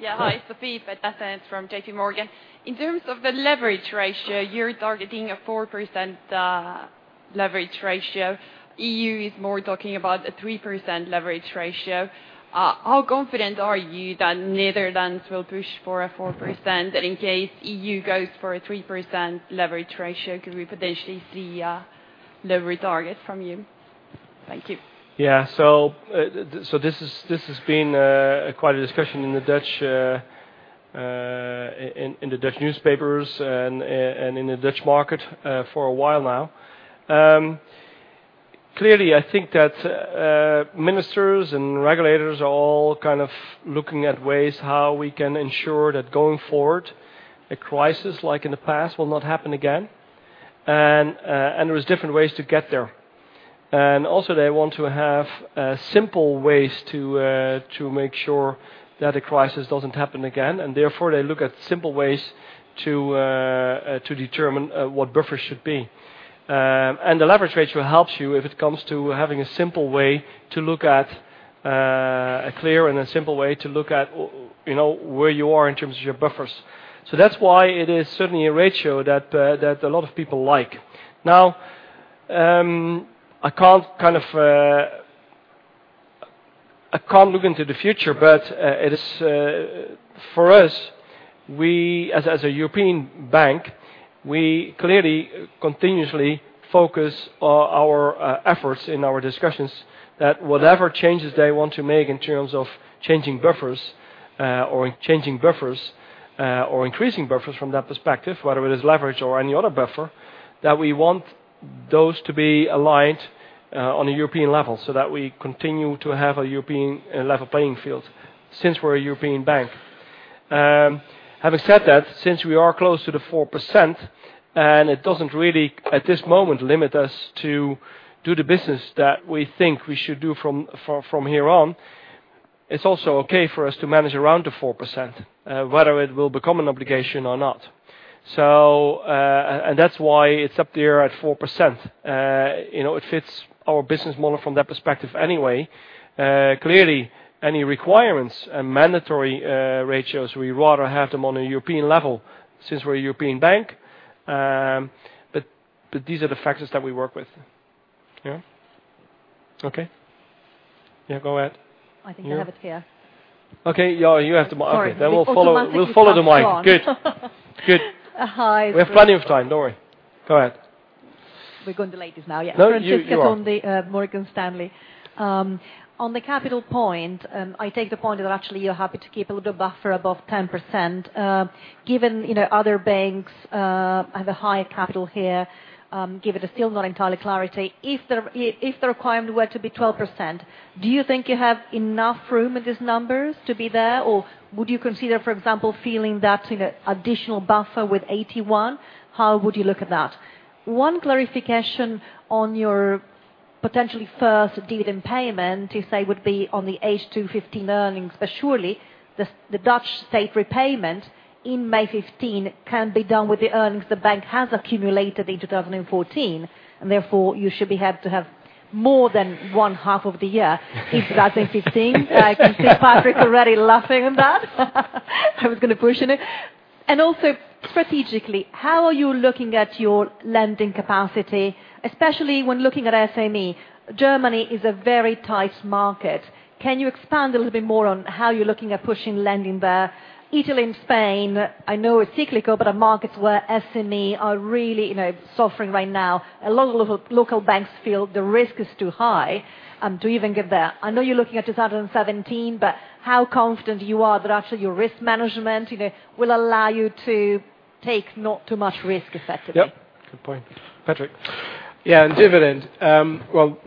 S12: Yeah. Hi. Sophie Petkoff from JP Morgan. In terms of the leverage ratio, you're targeting a 4% leverage ratio. EU is more talking about a 3% leverage ratio. How confident are you that Netherlands will push for a 4%? In case EU goes for a 3% leverage ratio, could we potentially see a leverage target from you? Thank you.
S2: Yeah. This has been quite a discussion in the Dutch newspapers and in the Dutch market for a while now. Clearly, I think that ministers and regulators are all looking at ways how we can ensure that going forward, a crisis like in the past will not happen again. There's different ways to get there. Also they want to have simple ways to make sure that a crisis doesn't happen again, and therefore they look at simple ways to determine what buffers should be. The leverage ratio helps you if it comes to having a simple way to look at a clear and a simple way to look at where you are in terms of your buffers. That's why it is certainly a ratio that a lot of people like. I can't look into the future, but for us, as a European bank, we clearly continuously focus our efforts in our discussions that whatever changes they want to make in terms of changing buffers, or increasing buffers from that perspective, whether it is leverage or any other buffer, that we want those to be aligned on a European level so that we continue to have a European level playing field since we're a European bank. Having said that, since we are close to the 4% and it doesn't really, at this moment, limit us to do the business that we think we should do from here on, it's also okay for us to manage around the 4%, whether it will become an obligation or not. That's why it's up there at 4%. It fits our business model from that perspective anyway. Clearly, any requirements and mandatory ratios, we rather have them on a European level since we're a European bank. These are the factors that we work with. Yeah. Okay. Yeah, go ahead.
S13: I think I have it here.
S2: Okay. You have the mic.
S13: Sorry.
S2: We'll follow the mic. Good. Good.
S13: Hi.
S2: We have plenty of time. Don't worry. Go ahead.
S13: We're going to the ladies now, yeah.
S2: No, you are.
S13: Francesca Tondi, Morgan Stanley. On the capital point, I take the point that actually you're happy to keep a little buffer above 10%. Given other banks have a higher capital here, given the still not entirely clarity, if the requirement were to be 12%, do you think you have enough room in these numbers to be there, or would you consider, for example, filling that additional buffer with AT1? How would you look at that? One clarification on your potentially first dividend payment, you say would be on the H2 2015 earnings, but surely the Dutch state repayment in May 2015 can be done with the earnings the bank has accumulated in 2014, and therefore you should be happy to have more than one half of the year 2015. I can see Patrick already laughing at that. I was going to push on it. Strategically, how are you looking at your lending capacity, especially when looking at SME? Germany is a very tight market. Can you expand a little bit more on how you're looking at pushing lending there? Italy and Spain, I know it's cyclical, but are markets where SME are really suffering right now. A lot of local banks feel the risk is too high to even get there. I know you're looking at 2017, but how confident you are that actually your risk management will allow you to take not too much risk, effectively.
S2: Yep. Good point, Patrick.
S3: Yeah. Dividend. Well,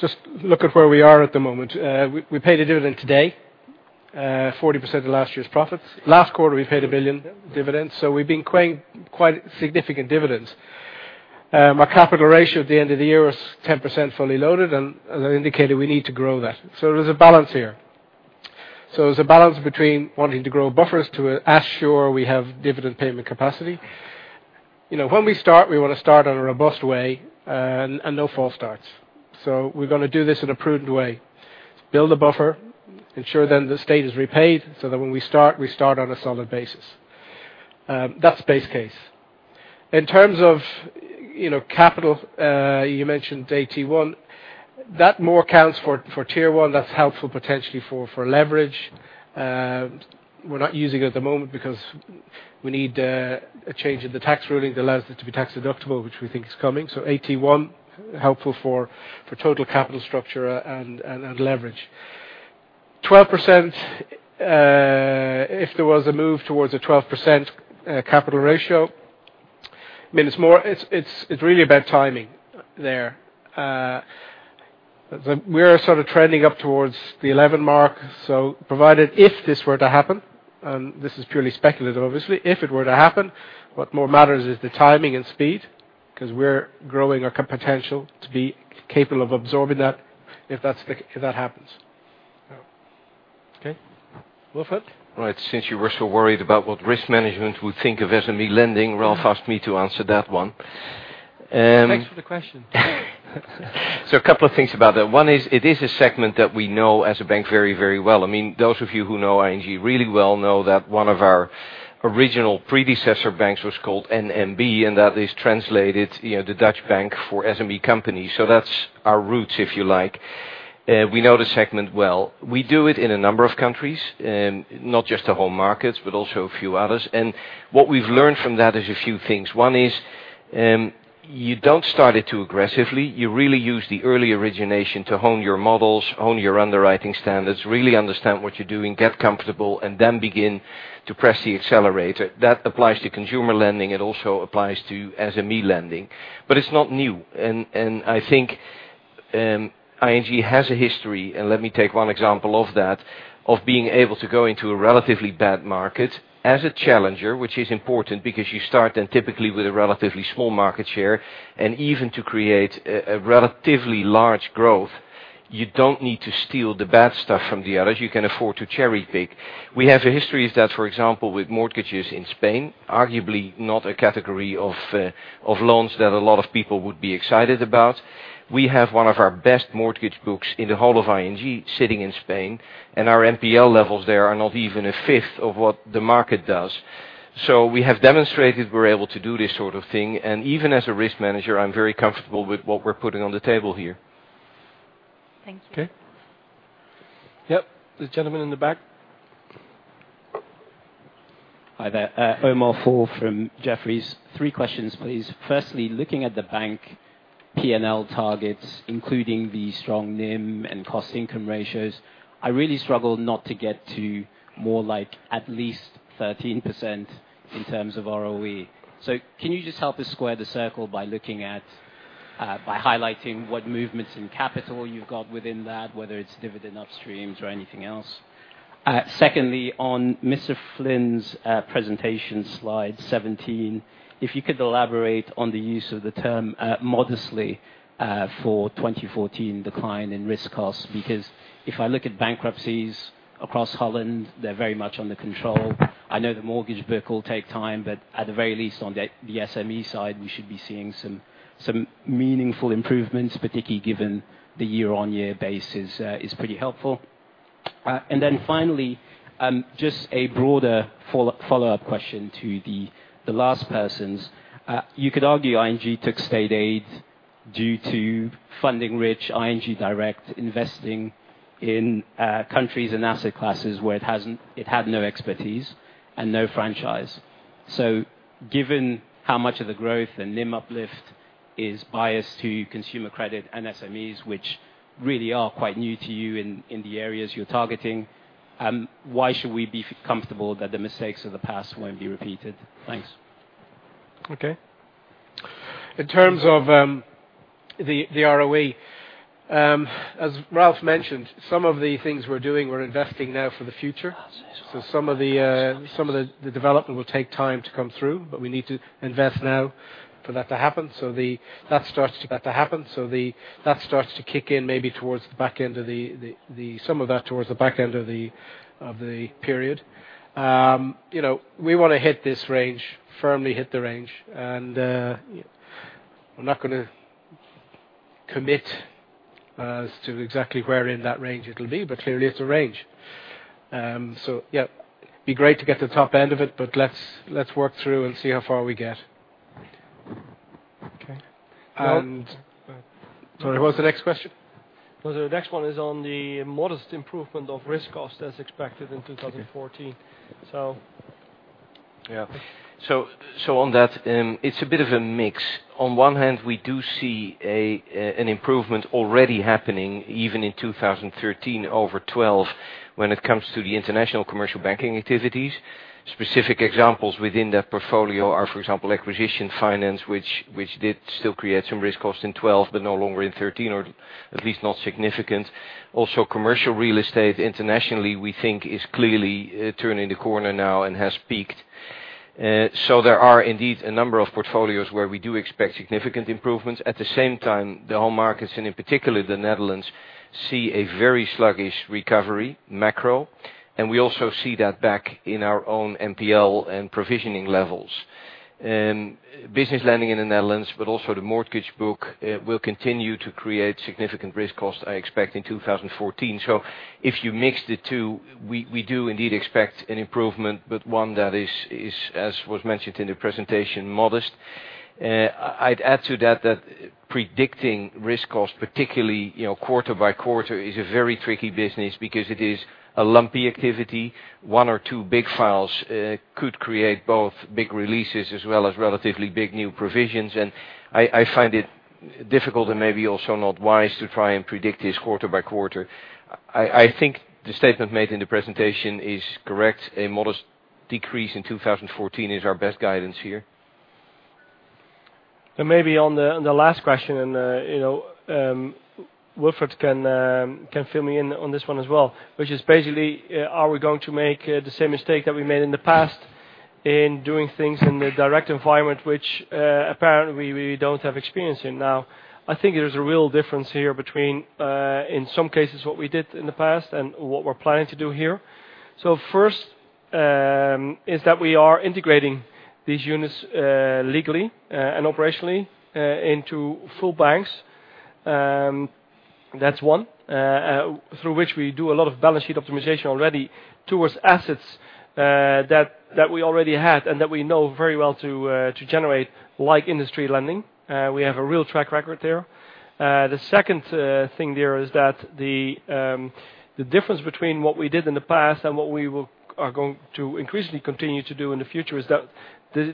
S3: just look at where we are at the moment. We paid a dividend today, 40% of last year's profits. Last quarter, we paid 1 billion dividends. We've been paying quite significant dividends. Our capital ratio at the end of the year is 10% fully loaded, as I indicated, we need to grow that. There's a balance here. There's a balance between wanting to grow buffers to assure we have dividend payment capacity. When we start, we want to start on a robust way, no false starts. We're going to do this in a prudent way. Build a buffer, ensure then the state is repaid, that when we start, we start on a solid basis. That's base case. In terms of capital, you mentioned AT1. That more accounts for Tier 1. That's helpful potentially for leverage. We're not using it at the moment because we need a change in the tax ruling that allows it to be tax-deductible, which we think is coming. AT1, helpful for total capital structure and leverage. 12%, if there was a move towards a 12% capital ratio, it's really about timing there. We're sort of trending up towards the 11 mark, provided if this were to happen, this is purely speculative, obviously. If it were to happen, what more matters is the timing and speed, because we're growing our potential to be capable of absorbing that if that happens.
S2: Okay. Wilfred?
S8: Right. Since you were so worried about what risk management would think of SME lending, Ralph asked me to answer that one.
S3: Thanks for the question.
S8: A couple of things about that. One is, it is a segment that we know as a bank very well. Those of you who know ING really well know that one of our original predecessor banks was called NMB, and that is translated, the Dutch bank for SME companies. That's our roots, if you like. We know the segment well. We do it in a number of countries, not just the home markets, but also a few others. What we've learned from that is a few things. One is, you don't start it too aggressively. You really use the early origination to hone your models, hone your underwriting standards, really understand what you're doing, get comfortable, and then begin to press the accelerator. That applies to consumer lending. It also applies to SME lending. It's not new. I think ING has a history, and let me take one example of that, of being able to go into a relatively bad market as a challenger, which is important because you start then typically with a relatively small market share. Even to create a relatively large growth, you don't need to steal the bad stuff from the others. You can afford to cherry-pick. We have a history of that, for example, with mortgages in Spain, arguably not a category of loans that a lot of people would be excited about. We have one of our best mortgage books in the whole of ING sitting in Spain, and our NPL levels there are not even a fifth of what the market does. We have demonstrated we're able to do this sort of thing. Even as a risk manager, I'm very comfortable with what we're putting on the table here.
S2: Thank you. Okay. Yep. This gentleman in the back.
S14: Hi there. Omar Fall from Jefferies. Three questions, please. Firstly, looking at the bank P&L targets, including the strong NIM and cost-income ratios, I really struggle not to get to more like at least 13% in terms of ROE. Can you just help us square the circle by highlighting what movements in capital you've got within that, whether it's dividend upstreams or anything else? Secondly, on Patrick Flynn's presentation slide 17, if you could elaborate on the use of the term modestly for 2014 decline in risk costs. If I look at bankruptcies across Holland, they're very much under control. I know the mortgage book will take time, but at the very least on the SME side, we should be seeing some meaningful improvements, particularly given the year-on-year basis is pretty helpful. Finally, just a broader follow-up question to the last persons. You could argue ING took state aid due to funding rich ING Direct investing in countries and asset classes where it had no expertise and no franchise. Given how much of the growth and NIM uplift is biased to consumer credit and SMEs, which really are quite new to you in the areas you're targeting, why should we be comfortable that the mistakes of the past won't be repeated? Thanks.
S8: Okay. In terms of the ROE, as Ralph mentioned, some of the things we're doing, we're investing now for the future. Some of the development will take time to come through, but we need to invest now for that to happen. That starts to kick in maybe some of that towards the back end of the period. We want to hit this range, firmly hit the range, and I'm not going to commit as to exactly where in that range it will be, but clearly it's a range. Yeah, it would be great to get the top end of it, but let's work through and see how far we get. Okay. Sorry, what's the next question? The next one is on the modest improvement of risk cost as expected in 2014. Okay. Yeah. On that, it's a bit of a mix. On one hand, we do see an improvement already happening, even in 2013, over 2012 when it comes to the international commercial banking activities. Specific examples within that portfolio are, for example, acquisition finance, which did still create some risk costs in 2012, but no longer in 2013, or at least not significant. Commercial real estate internationally, we think is clearly turning the corner now and has peaked. There are indeed a number of portfolios where we do expect significant improvements. At the same time, the whole markets, and in particular the Netherlands, see a very sluggish recovery, macro, and we also see that back in our own NPL and provisioning levels. Business lending in the Netherlands, but also the mortgage book, will continue to create significant risk costs, I expect, in 2014. If you mix the two, we do indeed expect an improvement, but one that is, as was mentioned in the presentation, modest. I'd add to that predicting risk cost, particularly quarter by quarter, is a very tricky business because it is a lumpy activity. One or two big files could create both big releases as well as relatively big new provisions. I find it difficult and maybe also not wise to try and predict this quarter by quarter. I think the statement made in the presentation is correct. A modest decrease in 2014 is our best guidance here. Maybe on the last question, Wilfred can fill me in on this one as well, which is basically, are we going to make the same mistake that we made in the past in doing things in the direct environment, which apparently we don't have experience in now? I think there's a real difference here between, in some cases, what we did in the past and what we're planning to do here. First is that we are integrating these units legally and operationally into full banks. That's one. Through which we do a lot of balance sheet optimization already towards assets that we already had and that we know very well to generate, like industry lending. We have a real track record there. The second thing there is that the difference between what we did in the past and what we are going to increasingly continue to do in the future is that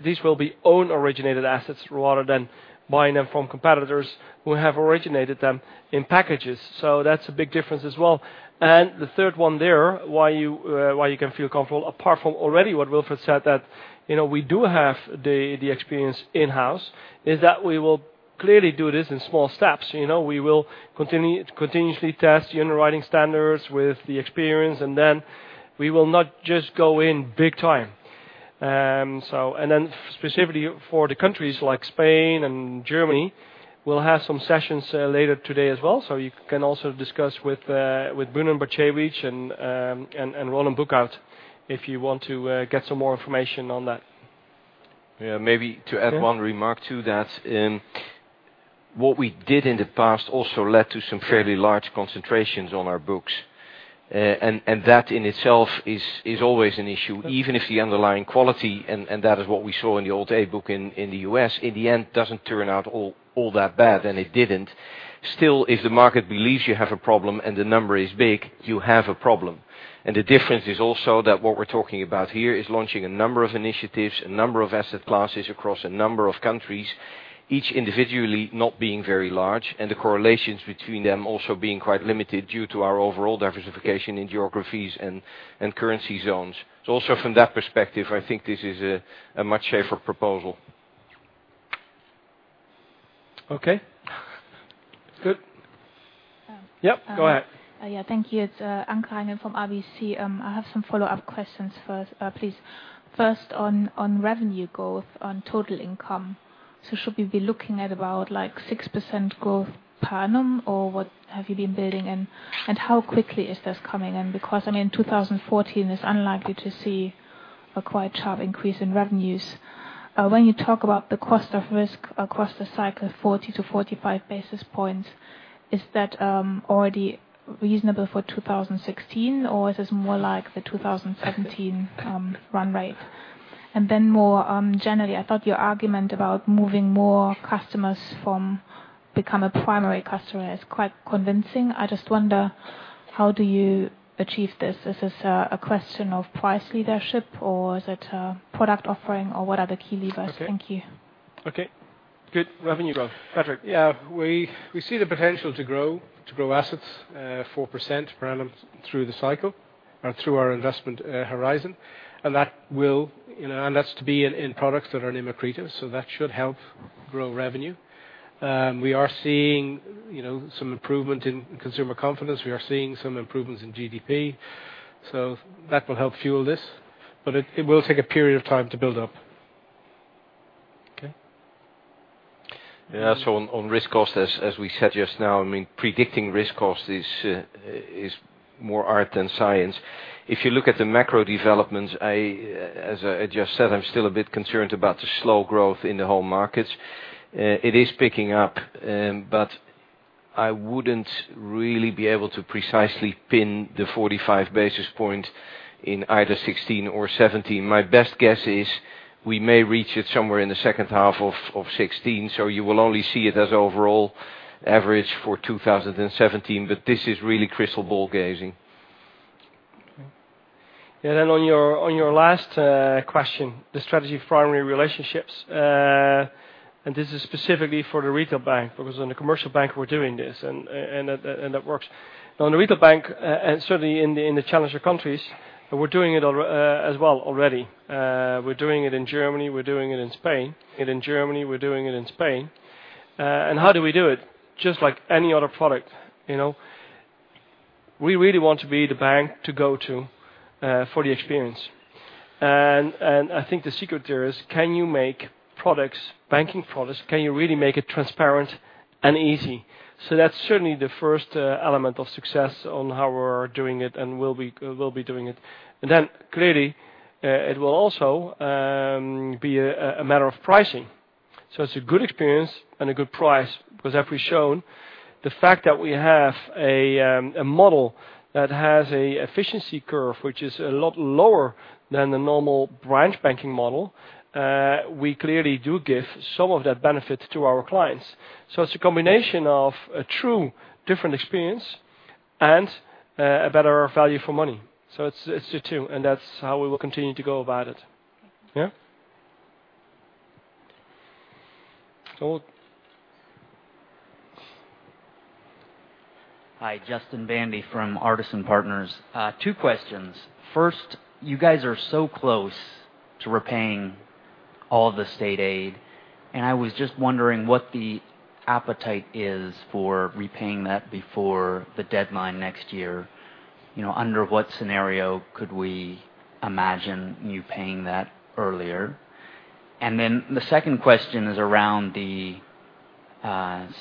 S8: these will be own originated assets rather than buying them from competitors who have originated them in packages. That's a big difference as well. The third one there, why you can feel comfortable, apart from already what Wilfred said, that we do have the experience in-house, is that we will clearly do this in small steps. We will continuously test underwriting standards with the experience, and then
S2: We will not just go in big time. Specifically for the countries like Spain and Germany, we'll have some sessions later today as well, so you can also discuss with Brunon Bartkiewicz and Roland Boekhout, if you want to get some more information on that.
S8: Maybe to add one remark to that. What we did in the past also led to some fairly large concentrations on our books. That in itself is always an issue, even if the underlying quality, and that is what we saw in the old day book in the U.S., in the end, doesn't turn out all that bad, and it didn't. Still, if the market believes you have a problem and the number is big, you have a problem. The difference is also that what we're talking about here is launching a number of initiatives, a number of asset classes across a number of countries, each individually not being very large, and the correlations between them also being quite limited due to our overall diversification in geographies and currency zones. Also from that perspective, I think this is a much safer proposal.
S2: Okay. Good. Yep, go ahead.
S15: Thank you. It's Antje Klein from ABN AMRO. I have some follow-up questions first, please. First on revenue growth, on total income. Should we be looking at about 6% growth per annum, or what have you been building, and how quickly is this coming? Because, in 2014, it's unlikely to see a quite sharp increase in revenues. When you talk about the cost of risk across the cycle, 40 to 45 basis points, is that already reasonable for 2016 or is this more like the 2017 run rate? More generally, I thought your argument about moving more customers from become a primary customer is quite convincing. I just wonder, how do you achieve this? Is this a question of price leadership or is it a product offering, or what are the key levers? Thank you.
S2: Okay. Good. Revenue growth. Patrick.
S3: Yeah. We see the potential to grow assets 4% per annum through the cycle or through our investment horizon. That's to be in products that are in Accreta, so that should help grow revenue. We are seeing some improvement in consumer confidence. We are seeing some improvements in GDP. That will help fuel this. It will take a period of time to build up.
S2: Okay.
S8: Yeah. On risk costs, as we said just now, predicting risk cost is more art than science. If you look at the macro developments, as I just said, I'm still a bit concerned about the slow growth in the whole markets. It is picking up, but I wouldn't really be able to precisely pin the 45 basis points in either 2016 or 2017. My best guess is we may reach it somewhere in the second half of 2016, so you will only see it as overall average for 2017. This is really crystal ball gazing.
S2: Okay. Yeah, on your last question, the strategy of primary relationships. This is specifically for the retail bank, because in the commercial bank, we're doing this, and that works. In the retail bank, and certainly in the challenger countries, we're doing it as well already. We're doing it in Germany, we're doing it in Spain, and how do we do it? Just like any other product. We really want to be the bank to go to for the experience. I think the secret there is can you make banking products, can you really make it transparent and easy? That's certainly the first element of success on how we're doing it and will be doing it. Then clearly, it will also be a matter of pricing. It's a good experience and a good price, because as we've shown, the fact that we have a model that has an efficiency curve, which is a lot lower than the normal branch banking model, we clearly do give some of that benefit to our clients. It's a combination of a true different experience and a better value for money. It's the two, and that's how we will continue to go about it. Yeah.
S15: Okay. Yeah.
S8: So.
S16: Hi, Justin Baintendi from Artisan Partners. Two questions. First, you guys are so close to repaying all the state aid. I was just wondering what the appetite is for repaying that before the deadline next year. Under what scenario could we imagine you paying that earlier? The second question is around the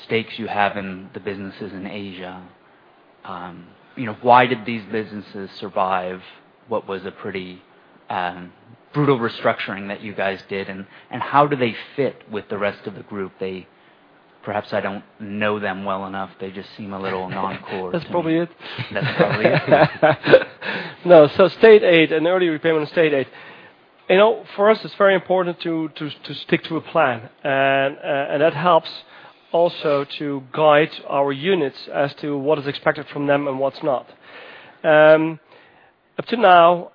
S16: stakes you have in the businesses in Asia. Why did these businesses survive what was a pretty brutal restructuring that you guys did, and how do they fit with the rest of the group? Perhaps I do not know them well enough. They just seem a little non-core to me.
S2: That is probably it.
S16: That is probably it.
S2: No. State aid, an early repayment of state aid. For us, it is very important to stick to a plan, and that helps also to guide our units as to what is expected from them and what is not. Up to now,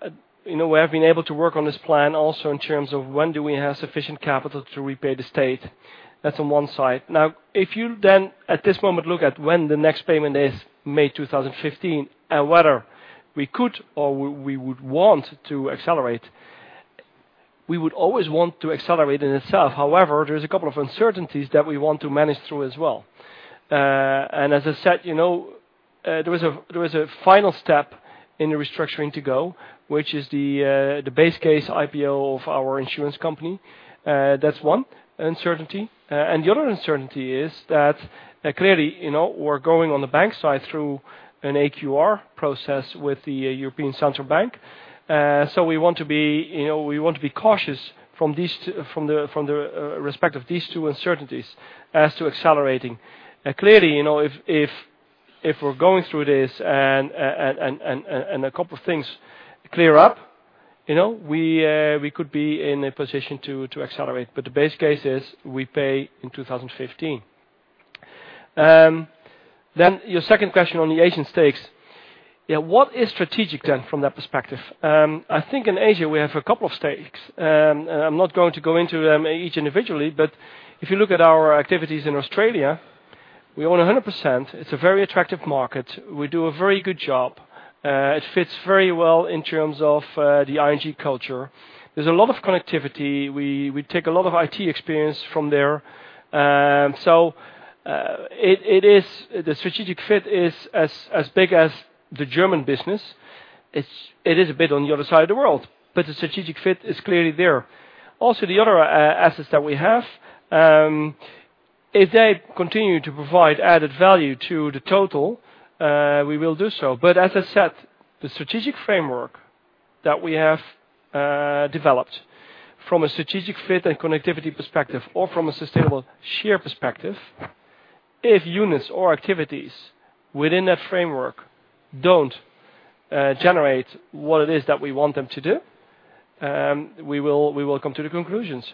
S2: we have been able to work on this plan also in terms of when do we have sufficient capital to repay the state. That is on one side. If you then at this moment look at when the next payment is, May 2015, and whether we could or we would want to accelerate. We would always want to accelerate in itself. However, there is a couple of uncertainties that we want to manage through as well. As I said, there was a final step in the restructuring to go, which is the base case IPO of our insurance company. That is one uncertainty. The other uncertainty is that clearly, we're going on the bank side through an AQR process with the European Central Bank. We want to be cautious from the respect of these two uncertainties as to accelerating. Clearly, if we're going through this and a couple of things clear up, we could be in a position to accelerate, but the base case is we pay in 2015. Your second question on the Asian stakes. What is strategic then from that perspective? I think in Asia we have a couple of stakes. I'm not going to go into them each individually, but if you look at our activities in Australia, we own 100%. It's a very attractive market. We do a very good job. It fits very well in terms of the ING culture. There's a lot of connectivity. We take a lot of IT experience from there. The strategic fit is as big as the German business. It is a bit on the other side of the world, but the strategic fit is clearly there. Also, the other assets that we have, if they continue to provide added value to the total, we will do so. As I said, the strategic framework that we have developed from a strategic fit and connectivity perspective or from a sustainable share perspective, if units or activities within that framework don't generate what it is that we want them to do, we will come to the conclusions.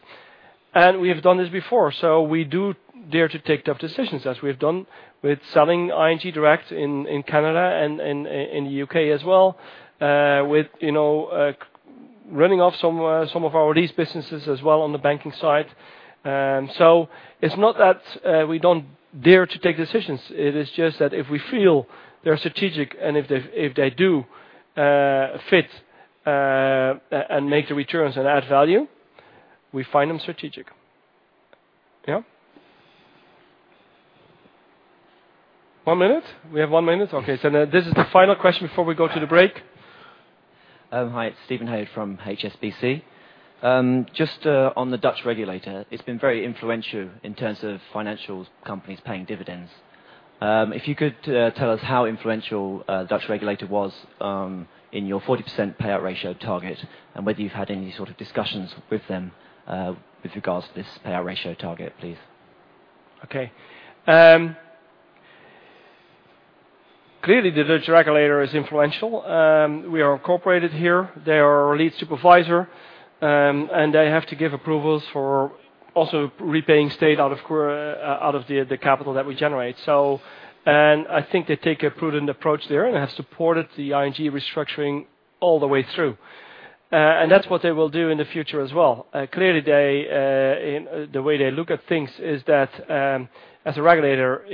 S2: We have done this before, so we do dare to take tough decisions, as we have done with selling ING Direct in Canada and in the U.K. as well, with running off some of our lease businesses as well on the banking side. It's not that we don't dare to take decisions. It is just that if we feel they're strategic and if they do fit and make the returns and add value, we find them strategic. Yeah. One minute? We have one minute. This is the final question before we go to the break.
S17: Hi, it's Steven Hay from HSBC. Just on the Dutch regulator, it's been very influential in terms of financials companies paying dividends. If you could tell us how influential Dutch regulator was in your 40% payout ratio target and whether you've had any sort of discussions with them with regards to this payout ratio target, please.
S2: Okay. Clearly, the Dutch regulator is influential. We are incorporated here. They are our lead supervisor. They have to give approvals for also repaying state out of the capital that we generate. I think they take a prudent approach there and have supported the ING restructuring all the way through. That's what they will do in the future as well. Clearly, the way they look at things is that as a regulator,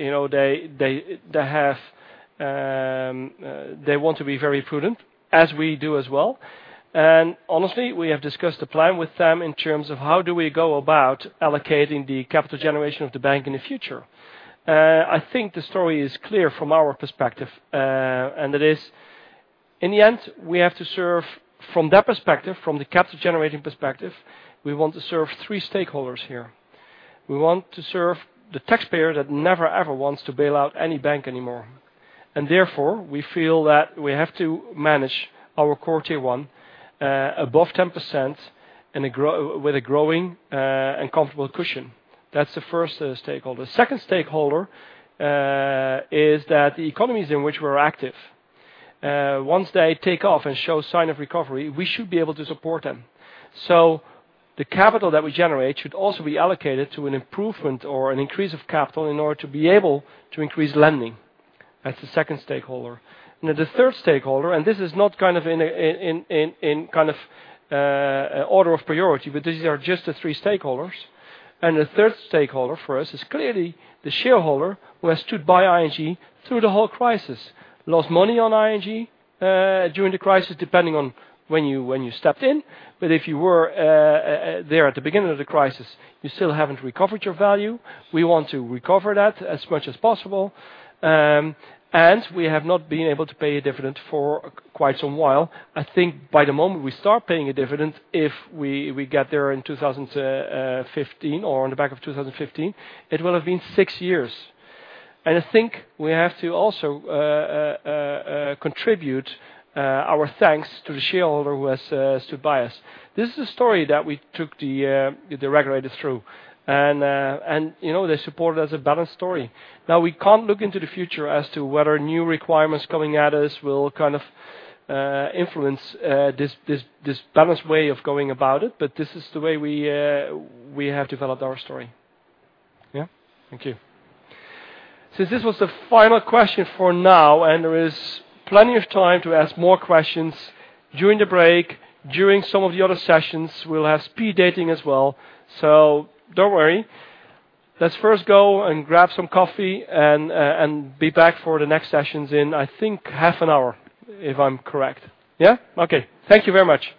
S2: they want to be very prudent, as we do as well. Honestly, we have discussed the plan with them in terms of how do we go about allocating the capital generation of the bank in the future. I think the story is clear from our perspective, and it is, in the end, we have to serve from that perspective, from the capital generating perspective, we want to serve three stakeholders here. We want to serve the taxpayer that never, ever wants to bail out any bank anymore. Therefore, we feel that we have to manage our Core Tier 1 above 10% with a growing and comfortable cushion. That's the first stakeholder. Second stakeholder is that the economies in which we're active, once they take off and show sign of recovery, we should be able to support them. The capital that we generate should also be allocated to an improvement or an increase of capital in order to be able to increase lending. That's the second stakeholder. The third stakeholder, and this is not in order of priority, but these are just the three stakeholders. The third stakeholder for us is clearly the shareholder who has stood by ING through the whole crisis. Lost money on ING during the crisis, depending on when you stepped in. If you were there at the beginning of the crisis, you still haven't recovered your value. We want to recover that as much as possible. We have not been able to pay a dividend for quite some while. I think by the moment we start paying a dividend, if we get there in 2015 or on the back of 2015, it will have been six years. I think we have to also contribute our thanks to the shareholder who has stood by us. This is a story that we took the regulator through, and they support it as a balanced story. Now, we can't look into the future as to whether new requirements coming at us will influence this balanced way of going about it, but this is the way we have developed our story. Yeah. Thank you. This was the final question for now, and there is plenty of time to ask more questions during the break, during some of the other sessions. We'll have speed dating as well. Don't worry. Let's first go and grab some coffee and be back for the next sessions in, I think half an hour, if I'm correct. Yeah? Okay. Thank you very much.